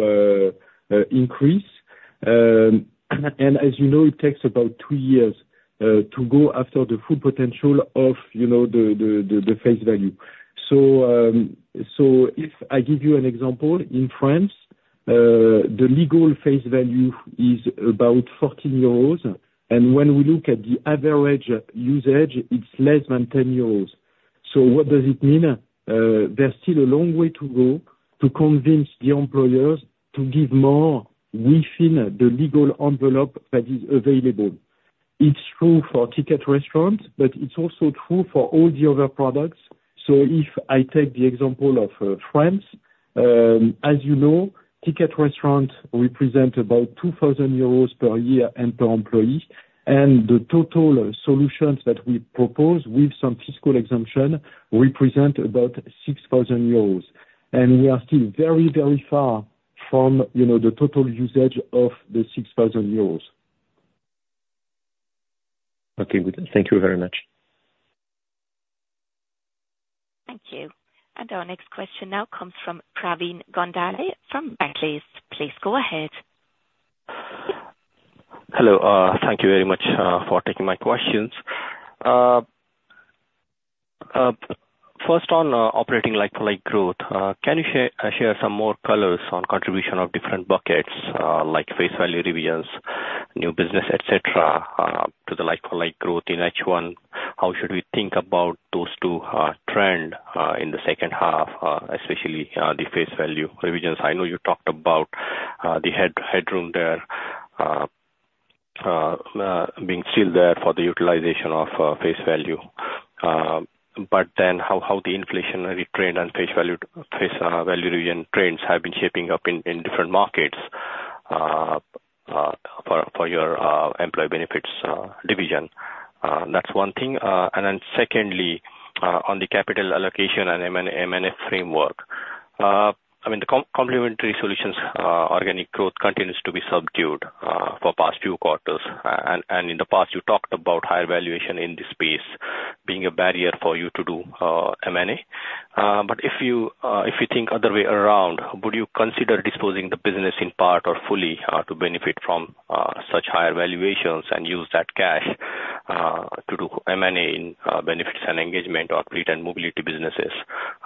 increase. As you know, it takes about 2 years to go after the full potential of, you know, the face value. So, if I give you an example, in France, the legal face value is about 14 euros, and when we look at the average usage, it's less than 10 euros. So what does it mean? There's still a long way to go to convince the employers to give more within the legal envelope that is available. It's true for Ticket Restaurant, but it's also true for all the other products. So if I take the example of, France, as you know, Ticket Restaurant represent about 2,000 euros per year and per employee, and the total solutions that we propose with some fiscal exemption represent about 6,000 euros. And we are still very, very far from, you know, the total usage of the 6,000 euros. Okay, good. Thank you very much. Thank you. And our next question now comes from Praveen Gondalia from Barclays. Please go ahead. Hello, thank you very much for taking my questions. First on operating like-for-like growth, can you share some more colors on contribution of different buckets, like face value revisions, new business, et cetera, to the like-for-like growth in H1? How should we think about those two trends in the second half, especially the face value revisions? I know you talked about the headroom there being still there for the utilization of face value, but then how the inflationary trend and face value revision trends have been shaping up in different markets for your employee benefits division? That's one thing. And then secondly, on the capital allocation and M&A framework. I mean, the Complementary Solutions, organic growth continues to be subdued for past few quarters. And in the past, you talked about higher valuation in this space being a barrier for you to do M&A. But if you think other way around, would you consider disposing the business in part or fully to benefit from such higher valuations and use that cash to do M&A in benefits and engagement or fleet and mobility businesses,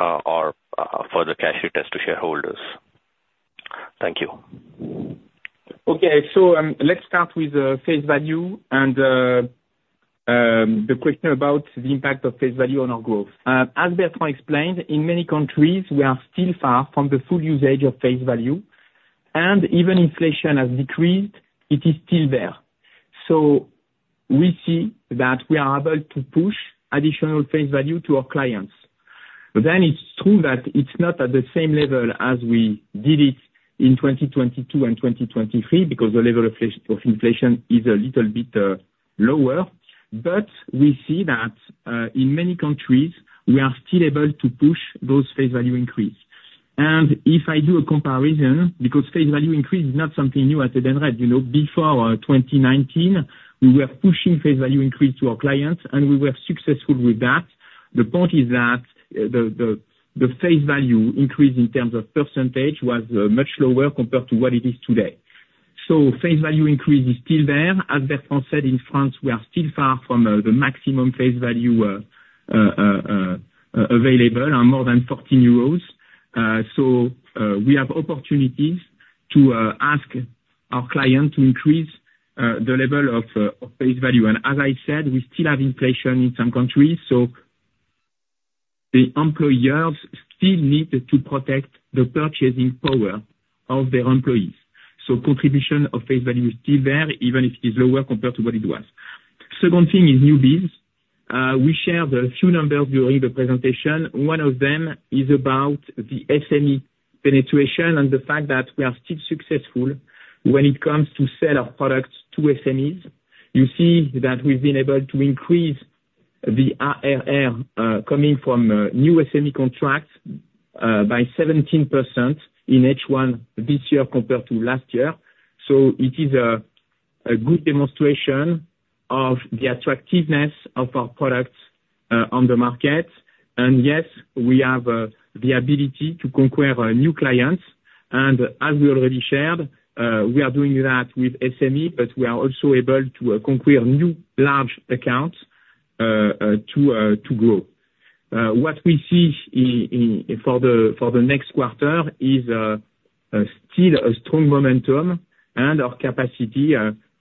or further cash returns to shareholders? Thank you. Okay. So, let's start with face value and the question about the impact of face value on our growth. As Bertrand explained, in many countries, we are still far from the full usage of face value, and even inflation has decreased, it is still there. So we see that we are able to push additional face value to our clients. But then it's true that it's not at the same level as we did it in 2022 and 2023, because the level of inflation is a little bit lower. But we see that in many countries, we are still able to push those face value increase. And if I do a comparison, because face value increase is not something new at Edenred, you know, before 2019, we were pushing face value increase to our clients, and we were successful with that. The point is that the face value increase in terms of percentage was much lower compared to what it is today. So face value increase is still there. As Bertrand said, in France, we are still far from the maximum face value available on more than 14 euros. So we have opportunities to ask our client to increase the level of face value. And as I said, we still have inflation in some countries, so the employers still need to protect the purchasing power of their employees. So contribution of face value is still there, even if it is lower compared to what it was. Second thing is new biz. We shared a few numbers during the presentation. One of them is about the SME penetration and the fact that we are still successful when it comes to sell our products to SMEs. You see that we've been able to increase the ARR coming from new SME contracts by 17% in H1 this year compared to last year. So it is a good demonstration of the attractiveness of our products on the market. And yes, we have the ability to conquer new clients, and as we already shared, we are doing that with SME, but we are also able to conquer new large accounts to grow. What we see for the next quarter is still a strong momentum and our capacity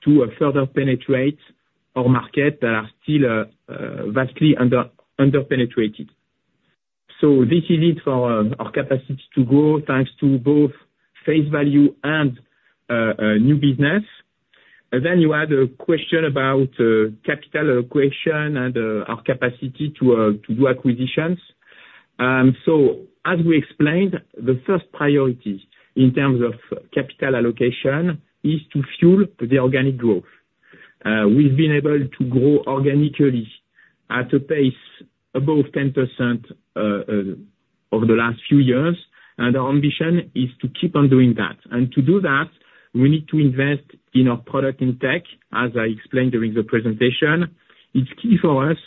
to further penetrate our markets that are still vastly under-penetrated. So this is it for our capacity to grow, thanks to both face value and new business. And then you had a question about capital allocation and our capacity to do acquisitions. So as we explained, the first priority in terms of capital allocation is to fuel the organic growth. We've been able to grow organically at a pace above 10% over the last few years, and our ambition is to keep on doing that. And to do that, we need to invest in our product in tech, as I explained during the presentation. It's key for us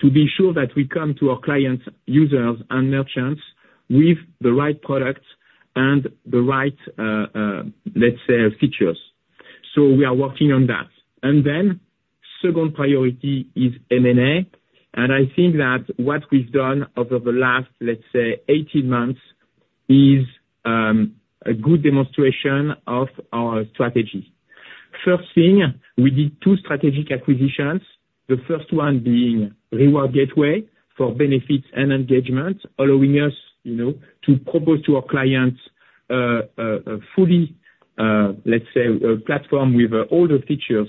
to be sure that we come to our clients, users, and merchants with the right products and the right, let's say, features. So we are working on that. And then second priority is M&A, and I think that what we've done over the last, let's say, 18 months, is a good demonstration of our strategy. First thing, we did 2 strategic acquisitions. The first one being Reward Gateway, for benefits and engagement, allowing us, you know, to propose to our clients, fully, let's say, a platform with all the features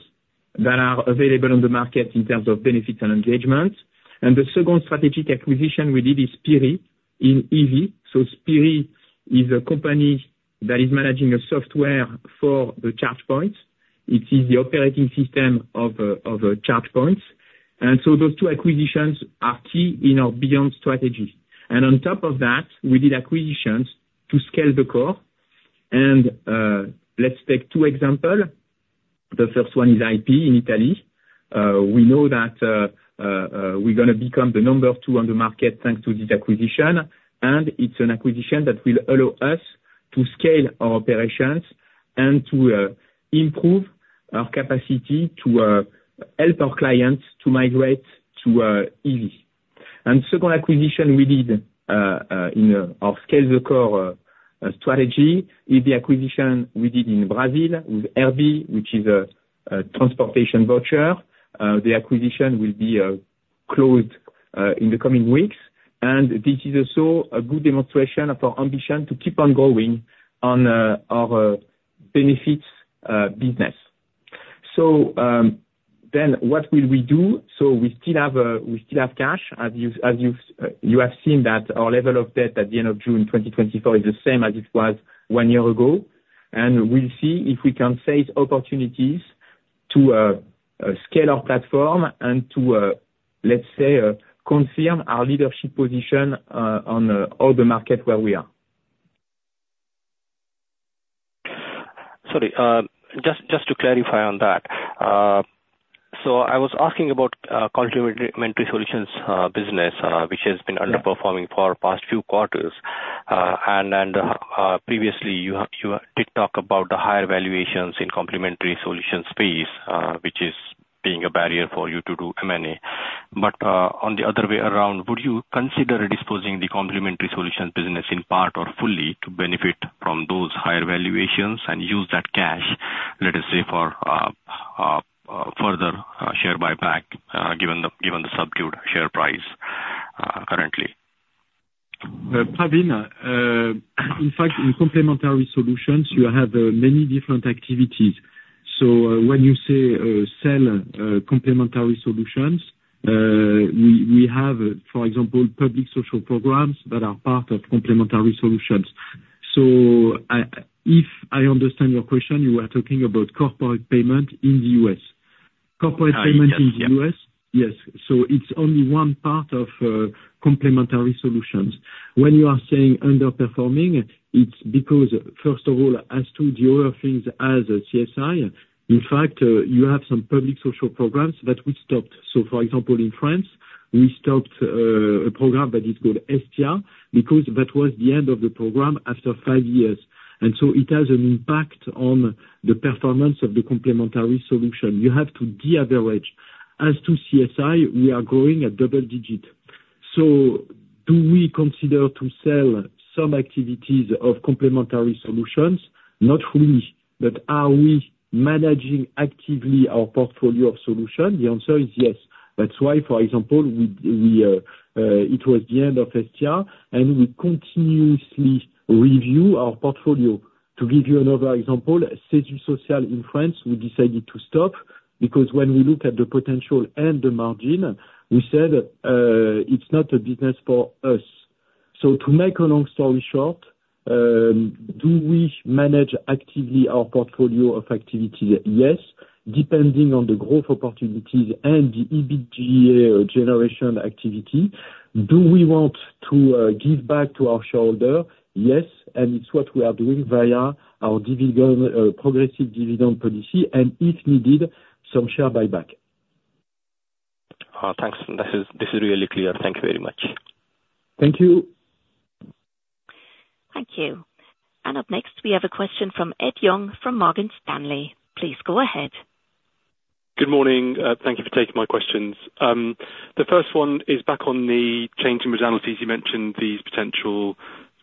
that are available on the market in terms of benefits and engagement. And the second strategic acquisition we did is Spirii in EV. So Spirii is a company that is managing a software for the charge points. It is the operating system of a charge points. And so those two acquisitions are key in our Beyond strategy. And on top of that, we did acquisitions to scale the core. And let's take two examples. The first one is IP in Italy. We know that we're gonna become the number two on the market, thanks to this acquisition, and it's an acquisition that will allow us to scale our operations and to improve our capacity to help our clients to migrate to EV. And the second acquisition we did in our scale the core strategy is the acquisition we did in Brazil with RB, which is a transportation voucher. The acquisition will be closed in the coming weeks. And this is also a good demonstration of our ambition to keep on going on our benefits business. ...Then what will we do? We still have cash, as you have seen that our level of debt at the end of June 2024 is the same as it was one year ago. We'll see if we can seize opportunities to scale our platform and to, let's say, confirm our leadership position on all the market where we are. Sorry, just to clarify on that. So I was asking about Complementary Solutions business, which has been- Yeah. underperforming for the past few quarters. And previously, you did talk about the higher valuations in complementary solutions space, which is being a barrier for you to do M&A. But on the other way around, would you consider disposing the complementary solutions business in part or fully to benefit from those higher valuations and use that cash, let us say, for further share buyback, given the subdued share price currently? Pravin, in fact, in Complementary Solutions, you have many different activities. So, when you say sell Complementary Solutions, we have, for example, public social programs that are part of Complementary Solutions. So if I understand your question, you are talking about corporate payment in the U.S. Yes, yes. Corporate payment in the U.S., yes. So it's only one part of Complementary Solutions. When you are saying underperforming, it's because, first of all, as to the other things, as CSI, in fact, you have some public social programs that we stopped. So, for example, in France, we stopped a program that is called SDA, because that was the end of the program after five years. And so it has an impact on the performance of the complementary solution. You have to de-average. As to CSI, we are growing at double digit. So do we consider to sell some activities of Complementary Solutions? Not fully, but are we managing actively our portfolio of solution? The answer is yes. That's why, for example, it was the end of SDA, and we continuously review our portfolio. To give you another example, Sécurité Sociale in France, we decided to stop, because when we looked at the potential and the margin, we said, it's not a business for us. So to make a long story short, do we manage actively our portfolio of activity? Yes, depending on the growth opportunities and the EBITDA generation activity. Do we want to, give back to our shareholder? Yes, and it's what we are doing via our dividend, progressive dividend policy, and if needed, some share buyback. Thanks. This is, this is really clear. Thank you very much. Thank you. Thank you. And up next, we have a question from Ed Young, from Morgan Stanley. Please go ahead. Good morning. Thank you for taking my questions. The first one is back on the change in Brazil, as you mentioned, these potential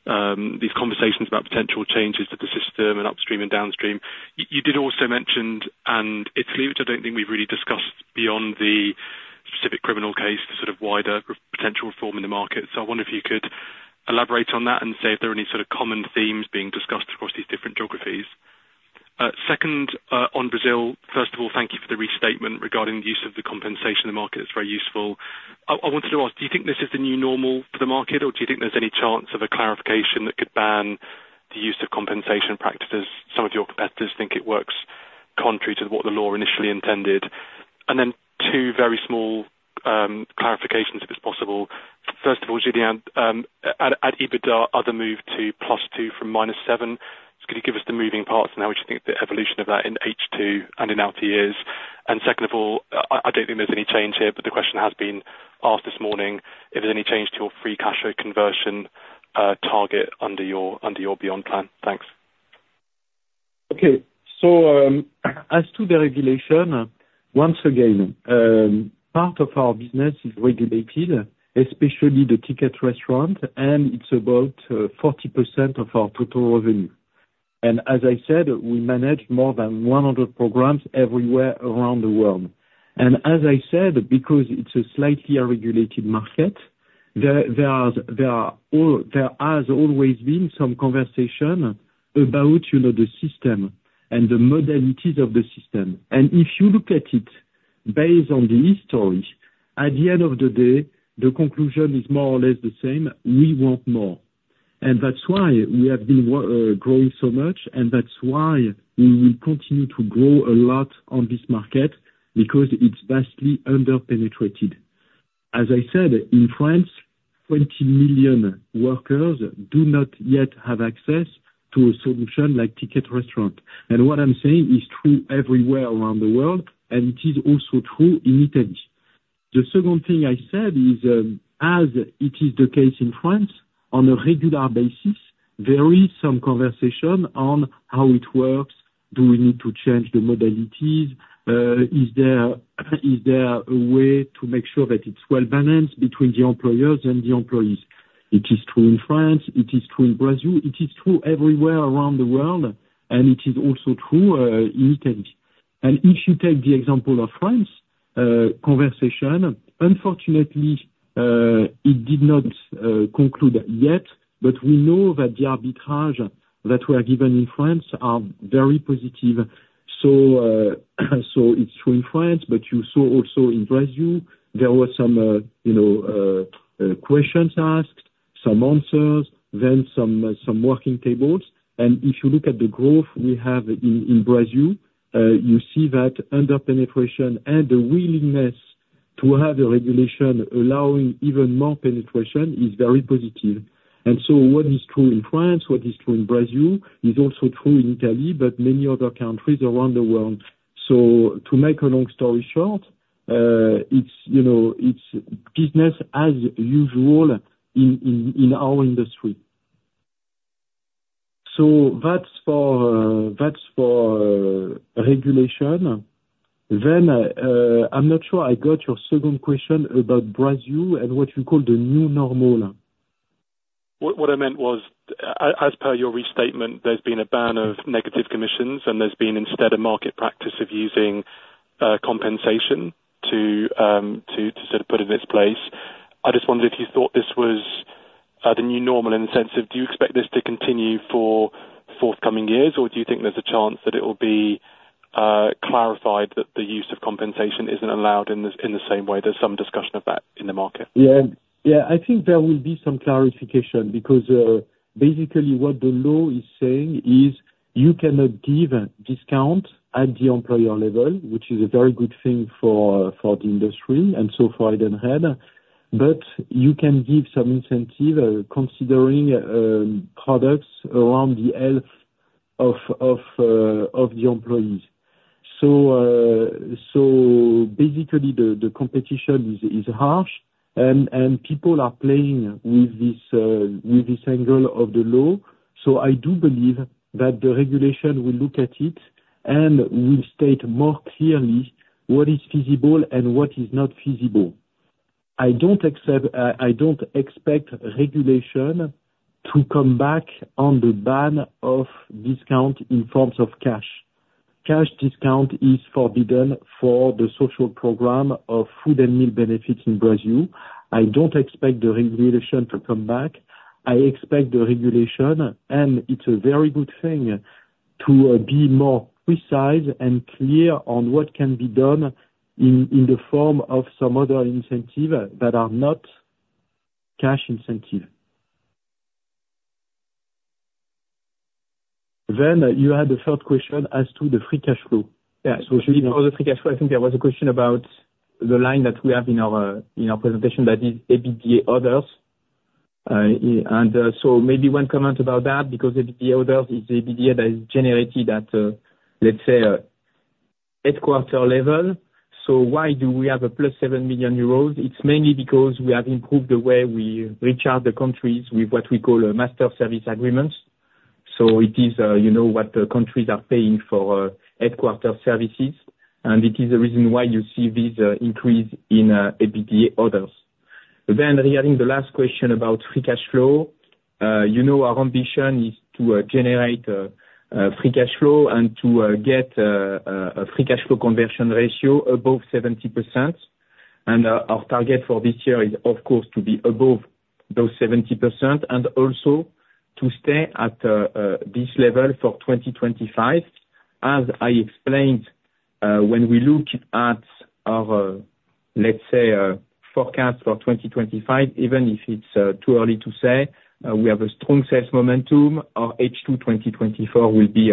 conversations about potential changes to the system and upstream and downstream. You did also mention, and it's something which I don't think we've really discussed beyond the specific criminal case, the sort of wider potential reform in the market. So I wonder if you could elaborate on that and say if there are any sort of common themes being discussed across these different geographies. Second, on Brazil, first of all, thank you for the restatement regarding the use of the compensation in the market. It's very useful. I wanted to ask, do you think this is the new normal for the market, or do you think there's any chance of a clarification that could ban the use of compensation practices? Some of your competitors think it works contrary to what the law initially intended. Then two very small clarifications, if it's possible. First of all, Julien, at EBITDA other move to +2 from -7, could you give us the moving parts and how we should think the evolution of that in H2 and in out years? And second of all, I don't think there's any change here, but the question has been asked this morning if there's any change to your free cash flow conversion target under your Beyond plan. Thanks. Okay. So, as to the regulation, once again, part of our business is regulated, especially the Ticket Restaurant, and it's about 40% of our total revenue. And as I said, we manage more than 100 programs everywhere around the world. And as I said, because it's a slightly unregulated market, there has always been some conversation about, you know, the system and the modalities of the system. And if you look at it based on the history, at the end of the day, the conclusion is more or less the same: we want more. And that's why we have been growing so much, and that's why we will continue to grow a lot on this market, because it's vastly under-penetrated. As I said, in France, 20 million workers do not yet have access to a solution like Ticket Restaurant. And what I'm saying is true everywhere around the world, and it is also true in Italy. The second thing I said is, as it is the case in France, on a regular basis, there is some conversation on how it works. Do we need to change the modalities? Is there a way to make sure that it's well-balanced between the employers and the employees? It is true in France, it is true in Brazil, it is true everywhere around the world, and it is also true in Italy. And if you take the example of France-... conversation. Unfortunately, it did not conclude yet, but we know that the arbitrage that were given in France are very positive. So, so it's true in France, but you saw also in Brazil, there were some, you know, questions asked, some answers, then some, some working tables. And if you look at the growth we have in, in Brazil, you see that under penetration and the willingness to have a regulation allowing even more penetration is very positive. And so what is true in France, what is true in Brazil, is also true in Italy, but many other countries around the world. So to make a long story short, it's, you know, it's business as usual in, in, in our industry. So that's for, that's for, regulation. Then, I'm not sure I got your second question about Brazil and what you call the new normal. What I meant was, as per your restatement, there's been a ban of negative commissions, and there's been instead, a market practice of using compensation to sort of put it in its place. I just wondered if you thought this was the new normal in the sense of, do you expect this to continue for forthcoming years, or do you think there's a chance that it will be clarified that the use of compensation isn't allowed in the same way? There's some discussion of that in the market. Yeah. Yeah, I think there will be some clarification, because basically what the law is saying is, you cannot give a discount at the employer level, which is a very good thing for the industry, and so for Edenred. But you can give some incentive, considering products around the health of the employees. So basically, the competition is harsh, and people are playing with this angle of the law. So I do believe that the regulation will look at it, and will state more clearly what is feasible and what is not feasible. I don't expect regulation to come back on the ban of discount in forms of cash. Cash discount is forbidden for the social program of food and meal benefits in Brazil. I don't expect the regulation to come back. I expect the regulation, and it's a very good thing, to be more precise and clear on what can be done in, in the form of some other incentive that are not cash incentive. Then you had the third question as to the free cash flow. Yeah. So for the free cash flow, I think there was a question about the line that we have in our, in our presentation, that is, EBITDA others. So maybe one comment about that, because EBITDA others is EBITDA that is generated at, let's say, a headquarters level. So why do we have a +7 million euros? It's mainly because we have improved the way we reach out to countries with what we call, master service agreements. So it is, you know, what the countries are paying for, headquarters services, and it is the reason why you see this, increase in, EBITDA others. Regarding the last question about free cash flow, you know, our ambition is to generate free cash flow, and to get a free cash flow conversion ratio above 70%. And our target for this year is, of course, to be above those 70%, and also to stay at this level for 2025. As I explained, when we look at our, let's say, forecast for 2025, even if it's too early to say, we have a strong sales momentum. Our H2 2024 will be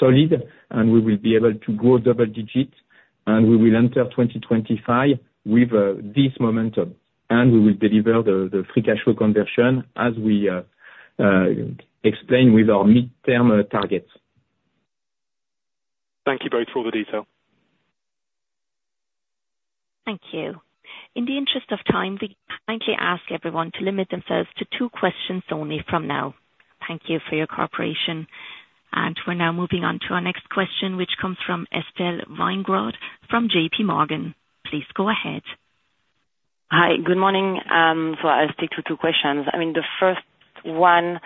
solid, and we will be able to grow double digits, and we will enter 2025 with this momentum. And we will deliver the free cash flow conversion as we explain with our midterm targets. Thank you both for all the detail. Thank you. In the interest of time, we kindly ask everyone to limit themselves to two questions only from now. Thank you for your cooperation. We're now moving on to our next question, which comes from Estelle Weingrod from J.P. Morgan. Please go ahead. Hi, good morning. So I'll stick to two questions. I mean, the first one,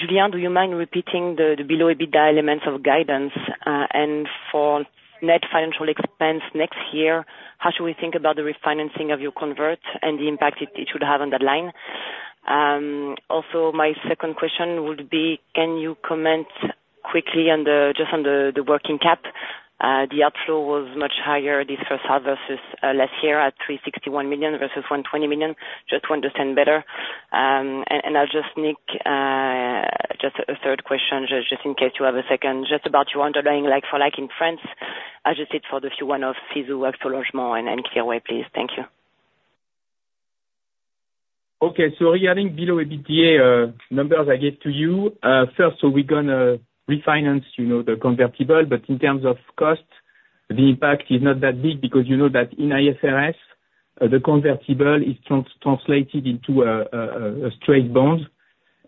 Julien, do you mind repeating the, the below EBITDA elements of guidance? And for net financial expense next year, how should we think about the refinancing of your converts, and the impact it, it should have on that line? Also, my second question would be, can you comment quickly on the, just on the, the working cap? The outflow was much higher this first half versus, last year, at 361 million versus 120 million. Just to understand better. And I'll just nick, just a third question, just, just in case you have a second. Just about your underlying, like-for-like in France, I'll just stick to the one of CESU, Action Logement, and, and CleanWay, please. Thank you. Okay. Regarding below EBITDA numbers, I get to you. First, so we're gonna refinance, you know, the convertible, but in terms of cost, the impact is not that big, because you know that in IFRS, the convertible is translated into a straight bond.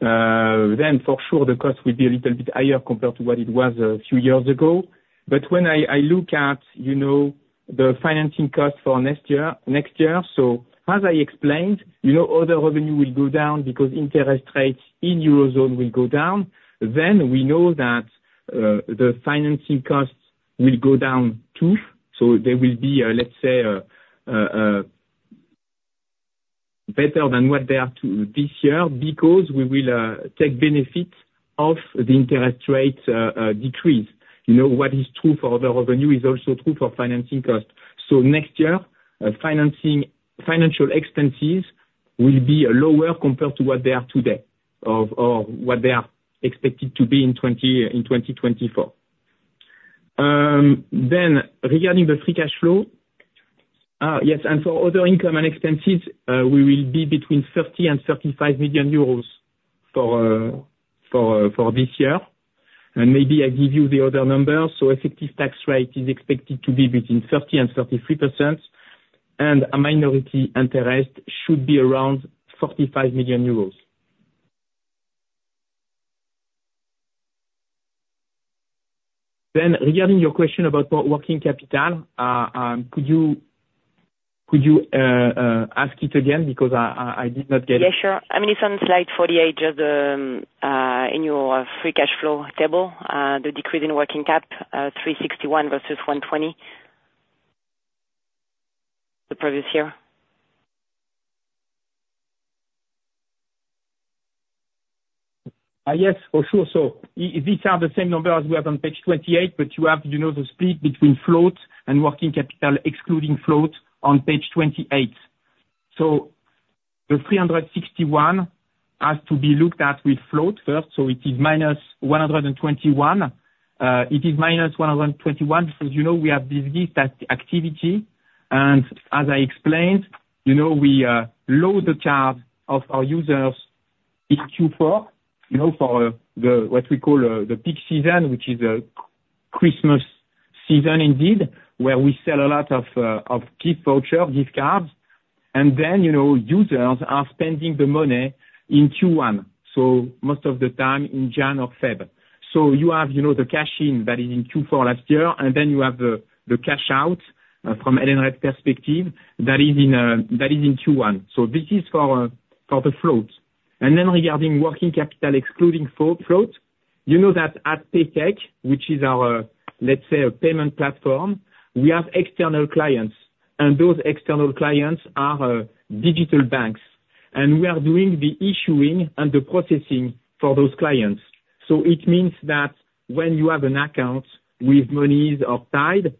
Then, for sure, the cost will be a little bit higher compared to what it was a few years ago. But when I look at, you know, the financing cost for next year, next year, so as I explained, you know, other revenue will go down because interest rates in Eurozone will go down. Then we know that the financing costs will go down, too, so there will be a, let's say, better than what they are this year, because we will take benefit of the interest rate decrease. You know, what is true for the revenue is also true for financing costs. So next year, financing, financial expenses will be lower compared to what they are today, or, or what they are expected to be in twenty, in 2024. Then regarding the free cash flow, yes, and for other income and expenses, we will be between 30 million and 35 million euros for, for, for this year. And maybe I give you the other numbers. So effective tax rate is expected to be between 30% and 33%, and a minority interest should be around 45 million euros. Then regarding your question about working capital, could you, could you, ask it again? Because I, I, I did not get it. Yeah, sure. I mean, it's on slide 48 of the in your free cash flow table, the decrease in working cap, 361 versus 120, the previous year. Yes, for sure. These are the same numbers we have on page 28, but you have, you know, the split between float and working capital, excluding float, on page 28. The 361 has to be looked at with float first, so it is minus 121. It is minus 121, because, you know, we have this lease activity, and as I explained, you know, we load the cards of our users in Q4, you know, for the, what we call, the peak season, which is the Christmas season indeed, where we sell a lot of gift vouchers, gift cards. And then, you know, users are spending the money in Q1, so most of the time, in January or February. So you have, you know, the cash in, that is in Q4 last year, and then you have the cash out from Edenred perspective, that is in Q1. So this is for the float. And then regarding working capital, excluding float, you know that at PayTech, which is our, let's say, a payment platform, we have external clients, and those external clients are digital banks. And we are doing the issuing and the processing for those clients. So it means that when you have an account with Monese or Tide,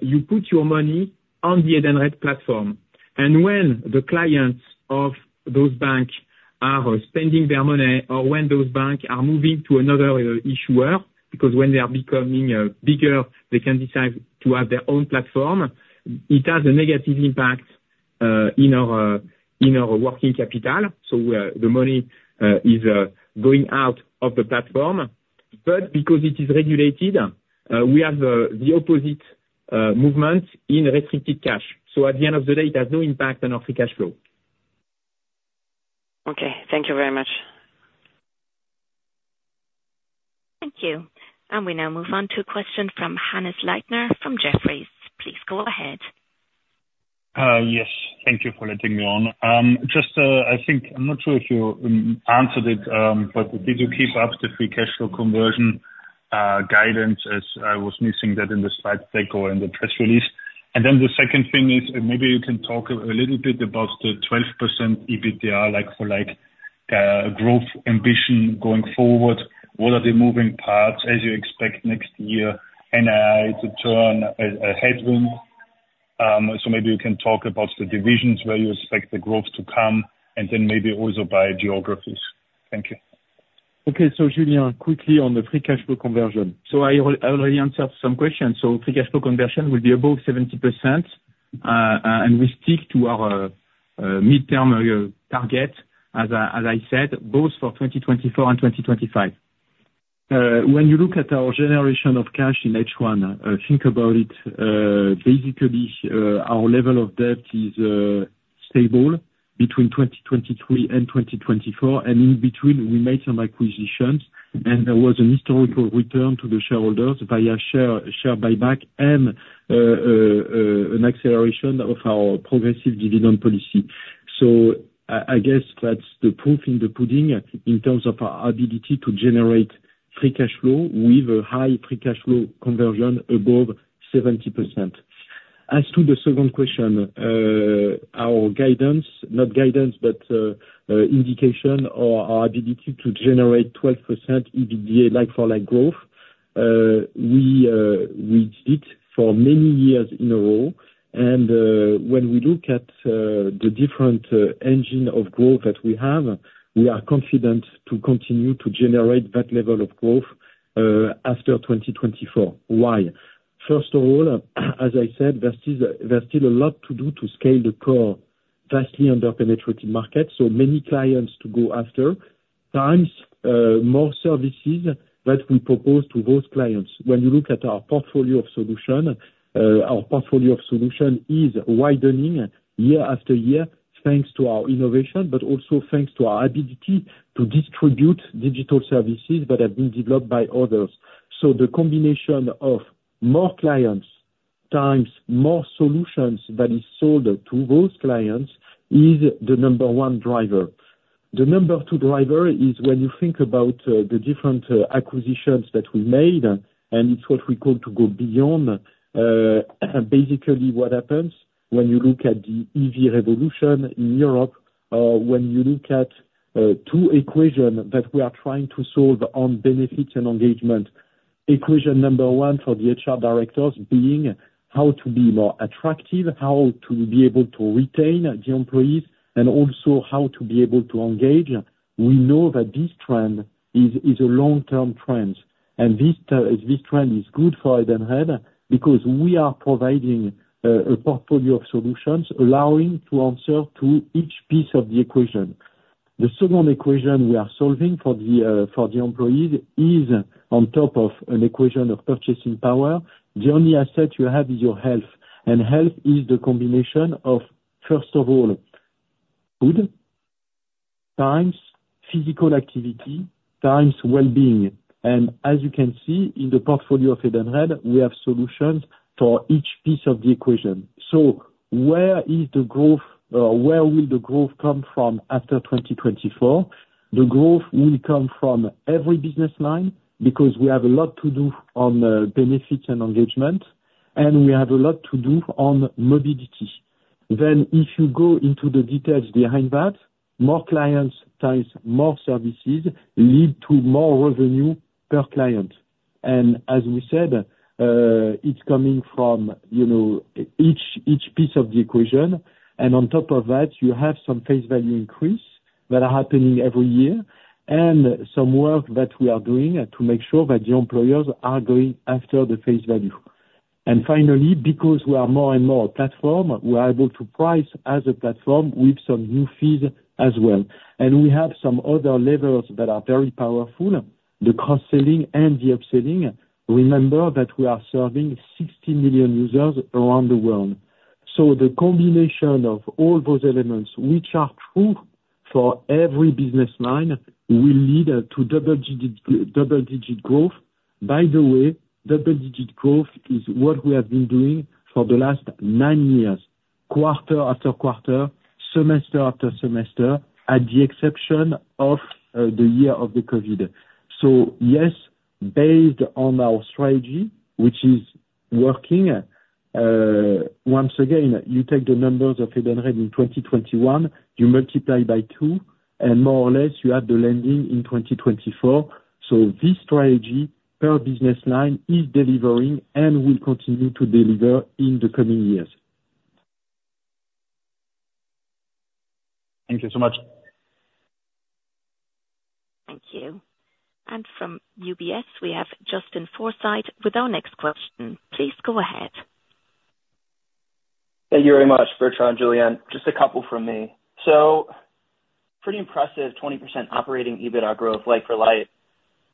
you put your money on the Edenred platform.t And when the clients of those banks are spending their money, or when those banks are moving to another issuer, because when they are becoming bigger, they can decide to have their own platform, it has a negative impact in our working capital, so where the money is going out of the platform. But because it is regulated, we have the opposite movement in restricted cash. So at the end of the day, it has no impact on our free cash flow. Okay, thank you very much. Thank you. We now move on to a question from Hannes Leitner, from Jefferies. Please go ahead. Yes, thank you for letting me on. Just, I think, I'm not sure if you answered it, but did you keep up the free cash flow conversion guidance, as I was missing that in the slide deck or in the press release? And then the second thing is, and maybe you can talk a little bit about the 12% EBITDA, like-for-like growth ambition going forward. What are the moving parts as you expect next year, and to turn a headwind? So maybe you can talk about the divisions where you expect the growth to come, and then maybe also by geographies. Thank you. Okay, so Julien, quickly on the free cash flow conversion. I already answered some questions. Free cash flow conversion will be above 70%, and we stick to our midterm target, as I said, both for 2024 and 2025. When you look at our generation of cash in H1, think about it, basically, our level of debt is stable between 2023 and 2024, and in between, we made some acquisitions, and there was a historical return to the shareholders via share buyback and an acceleration of our progressive dividend policy. I guess that's the proof in the pudding in terms of our ability to generate free cash flow with a high free cash flow conversion above 70%. As to the second question, our guidance, not guidance, but indication or our ability to generate 12% EBITDA, like-for-like growth, we did for many years in a row. When we look at the different engines of growth that we have, we are confident to continue to generate that level of growth after 2024. Why? First of all, as I said, there's still a lot to do to scale the core, vastly under-penetrated market, so many clients to go after. Times more services that we propose to those clients. When you look at our portfolio of solutions, our portfolio of solutions is widening year after year, thanks to our innovation, but also thanks to our ability to distribute digital services that have been developed by others. The combination of more clients, times more solutions that is sold to those clients, is the number one driver.... The number two driver is when you think about, the different, acquisitions that we made, and it's what we call to go beyond, basically what happens when you look at the EV revolution in Europe, when you look at, two equation that we are trying to solve on benefits and engagement. Equation number one for the HR directors being how to be more attractive, how to be able to retain the employees, and also how to be able to engage. We know that this trend is a long-term trend, and this trend is good for Edenred, because we are providing, a portfolio of solutions allowing to answer to each piece of the equation. The second equation we are solving for the, for the employees is on top of an equation of purchasing power. The only asset you have is your health, and health is the combination of, first of all, good times, physical activity, times well-being. As you can see in the portfolio of Edenred, we have solutions for each piece of the equation. Where is the growth, where will the growth come from after 2024? The growth will come from every business line, because we have a lot to do on benefits and engagement, and we have a lot to do on mobility. If you go into the details behind that, more clients times more services lead to more revenue per client. As we said, it's coming from, you know, each, each piece of the equation, and on top of that, you have some face value increase that are happening every year, and some work that we are doing to make sure that the employers are going after the face value. And finally, because we are more and more a platform, we are able to price as a platform with some new fees as well. And we have some other levels that are very powerful, the cross-selling and the upselling. Remember that we are serving 60 million users around the world. So the combination of all those elements, which are true for every business line, will lead to double-digit growth. By the way, double-digit growth is what we have been doing for the last 9 years, quarter after quarter, semester after semester, at the exception of the year of the COVID. So yes, based on our strategy, which is working, once again, you take the numbers of Edenred in 2021, you multiply by 2, and more or less you have the landing in 2024. So this strategy, per business line, is delivering and will continue to deliver in the coming years. Thank you so much. Thank you. From UBS, we have Justin Forsyth with our next question. Please go ahead. Thank you very much, Bertrand, Julian. Just a couple from me. So pretty impressive 20% operating EBITDA growth, like-for-like.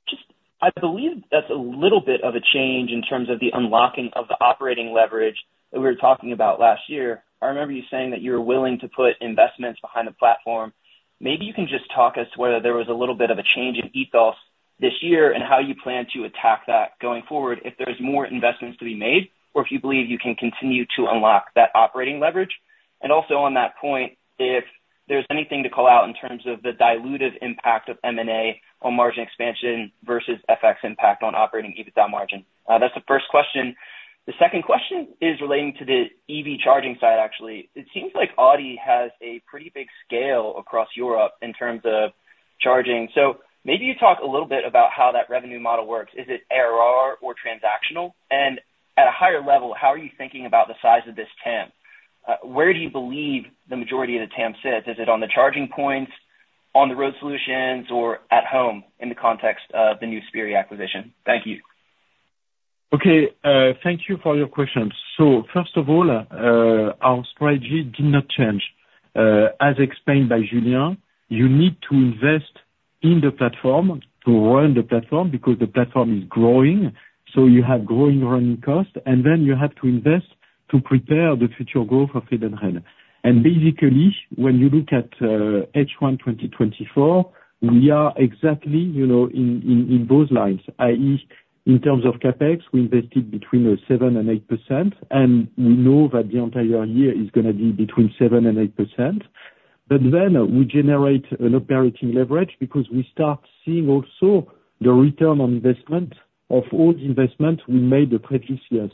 Just, I believe that's a little bit of a change in terms of the unlocking of the operating leverage that we were talking about last year. I remember you saying that you were willing to put investments behind the platform. Maybe you can just talk as to whether there was a little bit of a change in ethos this year, and how you plan to attack that going forward, if there's more investments to be made, or if you believe you can continue to unlock that operating leverage. And also, on that point, if there's anything to call out in terms of the dilutive impact of M&A on margin expansion versus FX impact on operating EBITDA margin. That's the first question. The second question is relating to the EV charging side, actually. It seems like Audi has a pretty big scale across Europe in terms of charging. So maybe you talk a little bit about how that revenue model works. Is it ARR or transactional? And at a higher level, how are you thinking about the size of this TAM? Where do you believe the majority of the TAM sits? Is it on the charging points, on the road solutions, or at home in the context of the new Spirii acquisition? Thank you. Okay, thank you for your questions. So first of all, our strategy did not change. As explained by Julien, you need to invest in the platform to run the platform, because the platform is growing, so you have growing running costs, and then you have to invest to prepare the future growth for Edenred. And basically, when you look at H1 2024, we are exactly, you know, in both lines, i.e., in terms of CapEx, we invested between 7% and 8%, and we know that the entire year is gonna be between 7% and 8%. But then we generate an operating leverage because we start seeing also the return on investment of all the investment we made the previous years.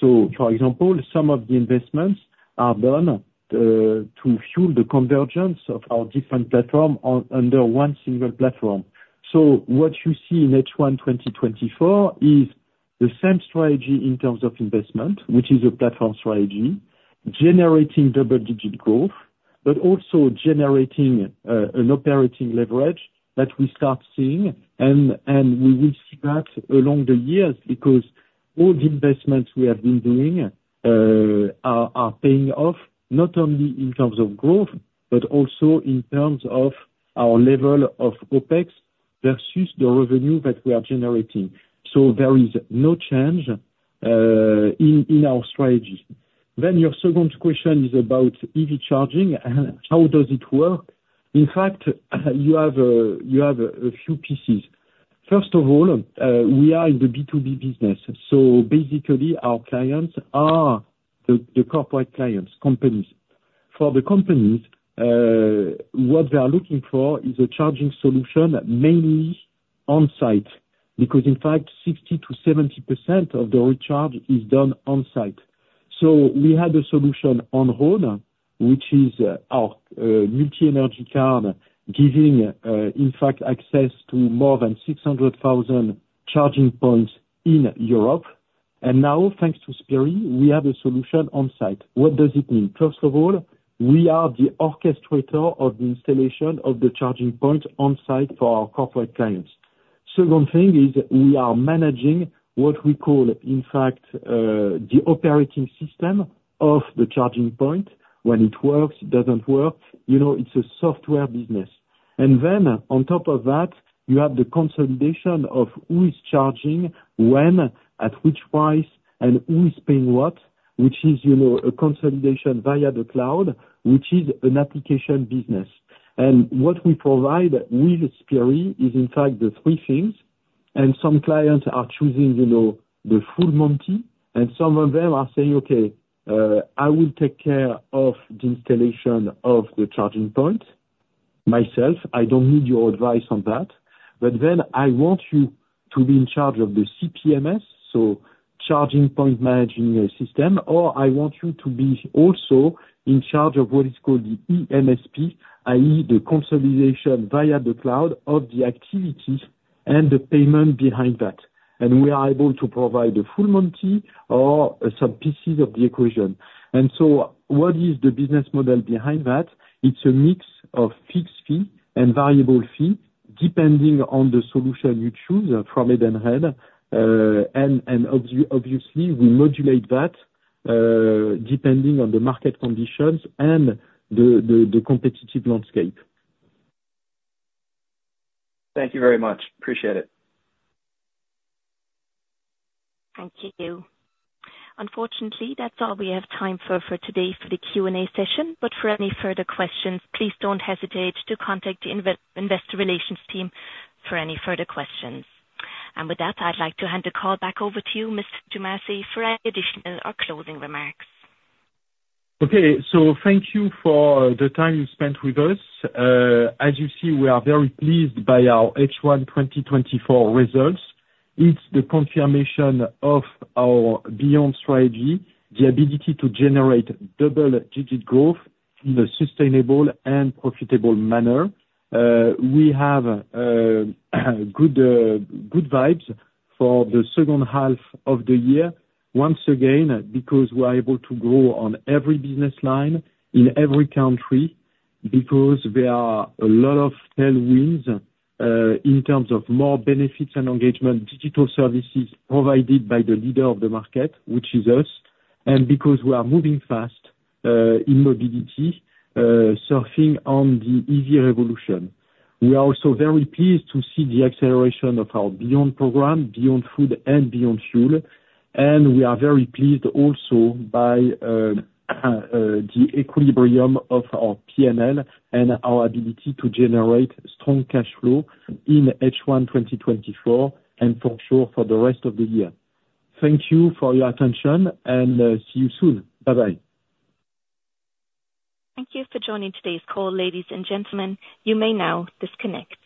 So, for example, some of the investments are done to fuel the convergence of our different platforms under one single platform. So what you see in H1 2024 is the same strategy in terms of investment, which is a platform strategy, generating double-digit growth, but also generating an operating leverage that we start seeing. And we will see that along the years, because all the investments we have been doing are paying off, not only in terms of growth, but also in terms of our level of OpEx versus the revenue that we are generating. So there is no change in our strategy. Then your second question is about EV charging. How does it work? In fact, you have a few pieces.... First of all, we are in the B2B business, so basically our clients are the corporate clients, companies. For the companies, what they are looking for is a charging solution, mainly on site, because in fact, 60%-70% of the recharge is done on site. So we had a solution on-road, which is our multi-energy card, giving, in fact, access to more than 600,000 charging points in Europe. And now, thanks to Spirii, we have a solution on site. What does it mean? First of all, we are the orchestrator of the installation of the charging point on site for our corporate clients. Second thing is we are managing what we call, in fact, the operating system of the charging point. When it works, doesn't work, you know, it's a software business. And then on top of that, you have the consolidation of who is charging, when, at which price, and who is paying what, which is, you know, a consolidation via the cloud, which is an application business. And what we provide with Spirii is in fact the three things. And some clients are choosing, you know, the full monty, and some of them are saying, "Okay, I will take care of the installation of the charging point myself. I don't need your advice on that. But then I want you to be in charge of the CPMS, so charging point management system, or I want you to be also in charge of what is called the eMSP, i.e., the consolidation via the cloud of the activities and the payment behind that." And we are able to provide the full monty or some pieces of the equation. What is the business model behind that? It's a mix of fixed fee and variable fee, depending on the solution you choose from Edenred. Obviously, we modulate that, depending on the market conditions and the competitive landscape. Thank you very much. Appreciate it. Thank you. Unfortunately, that's all we have time for, for today for the Q&A session. But for any further questions, please don't hesitate to contact the investor relations team for any further questions. And with that, I'd like to hand the call back over to you, Mr. Dumazy, for any additional or closing remarks. Okay. So thank you for the time you spent with us. As you see, we are very pleased by our H1 2024 results. It's the confirmation of our Beyond strategy, the ability to generate double-digit growth in a sustainable and profitable manner. We have good vibes for the second half of the year. Once again, because we're able to grow on every business line, in every country, because there are a lot of tailwinds in terms of more benefits and engagement, digital services provided by the leader of the market, which is us, and because we are moving fast in mobility, surfing on the EV revolution. We are also very pleased to see the acceleration of our Beyond program, Beyond Food and Beyond Fuel. We are very pleased also by the equilibrium of our P&L and our ability to generate strong cash flow in H1 2024, and for sure, for the rest of the year. Thank you for your attention, and see you soon. Bye-bye. Thank you for joining today's call, ladies and gentlemen. You may now disconnect.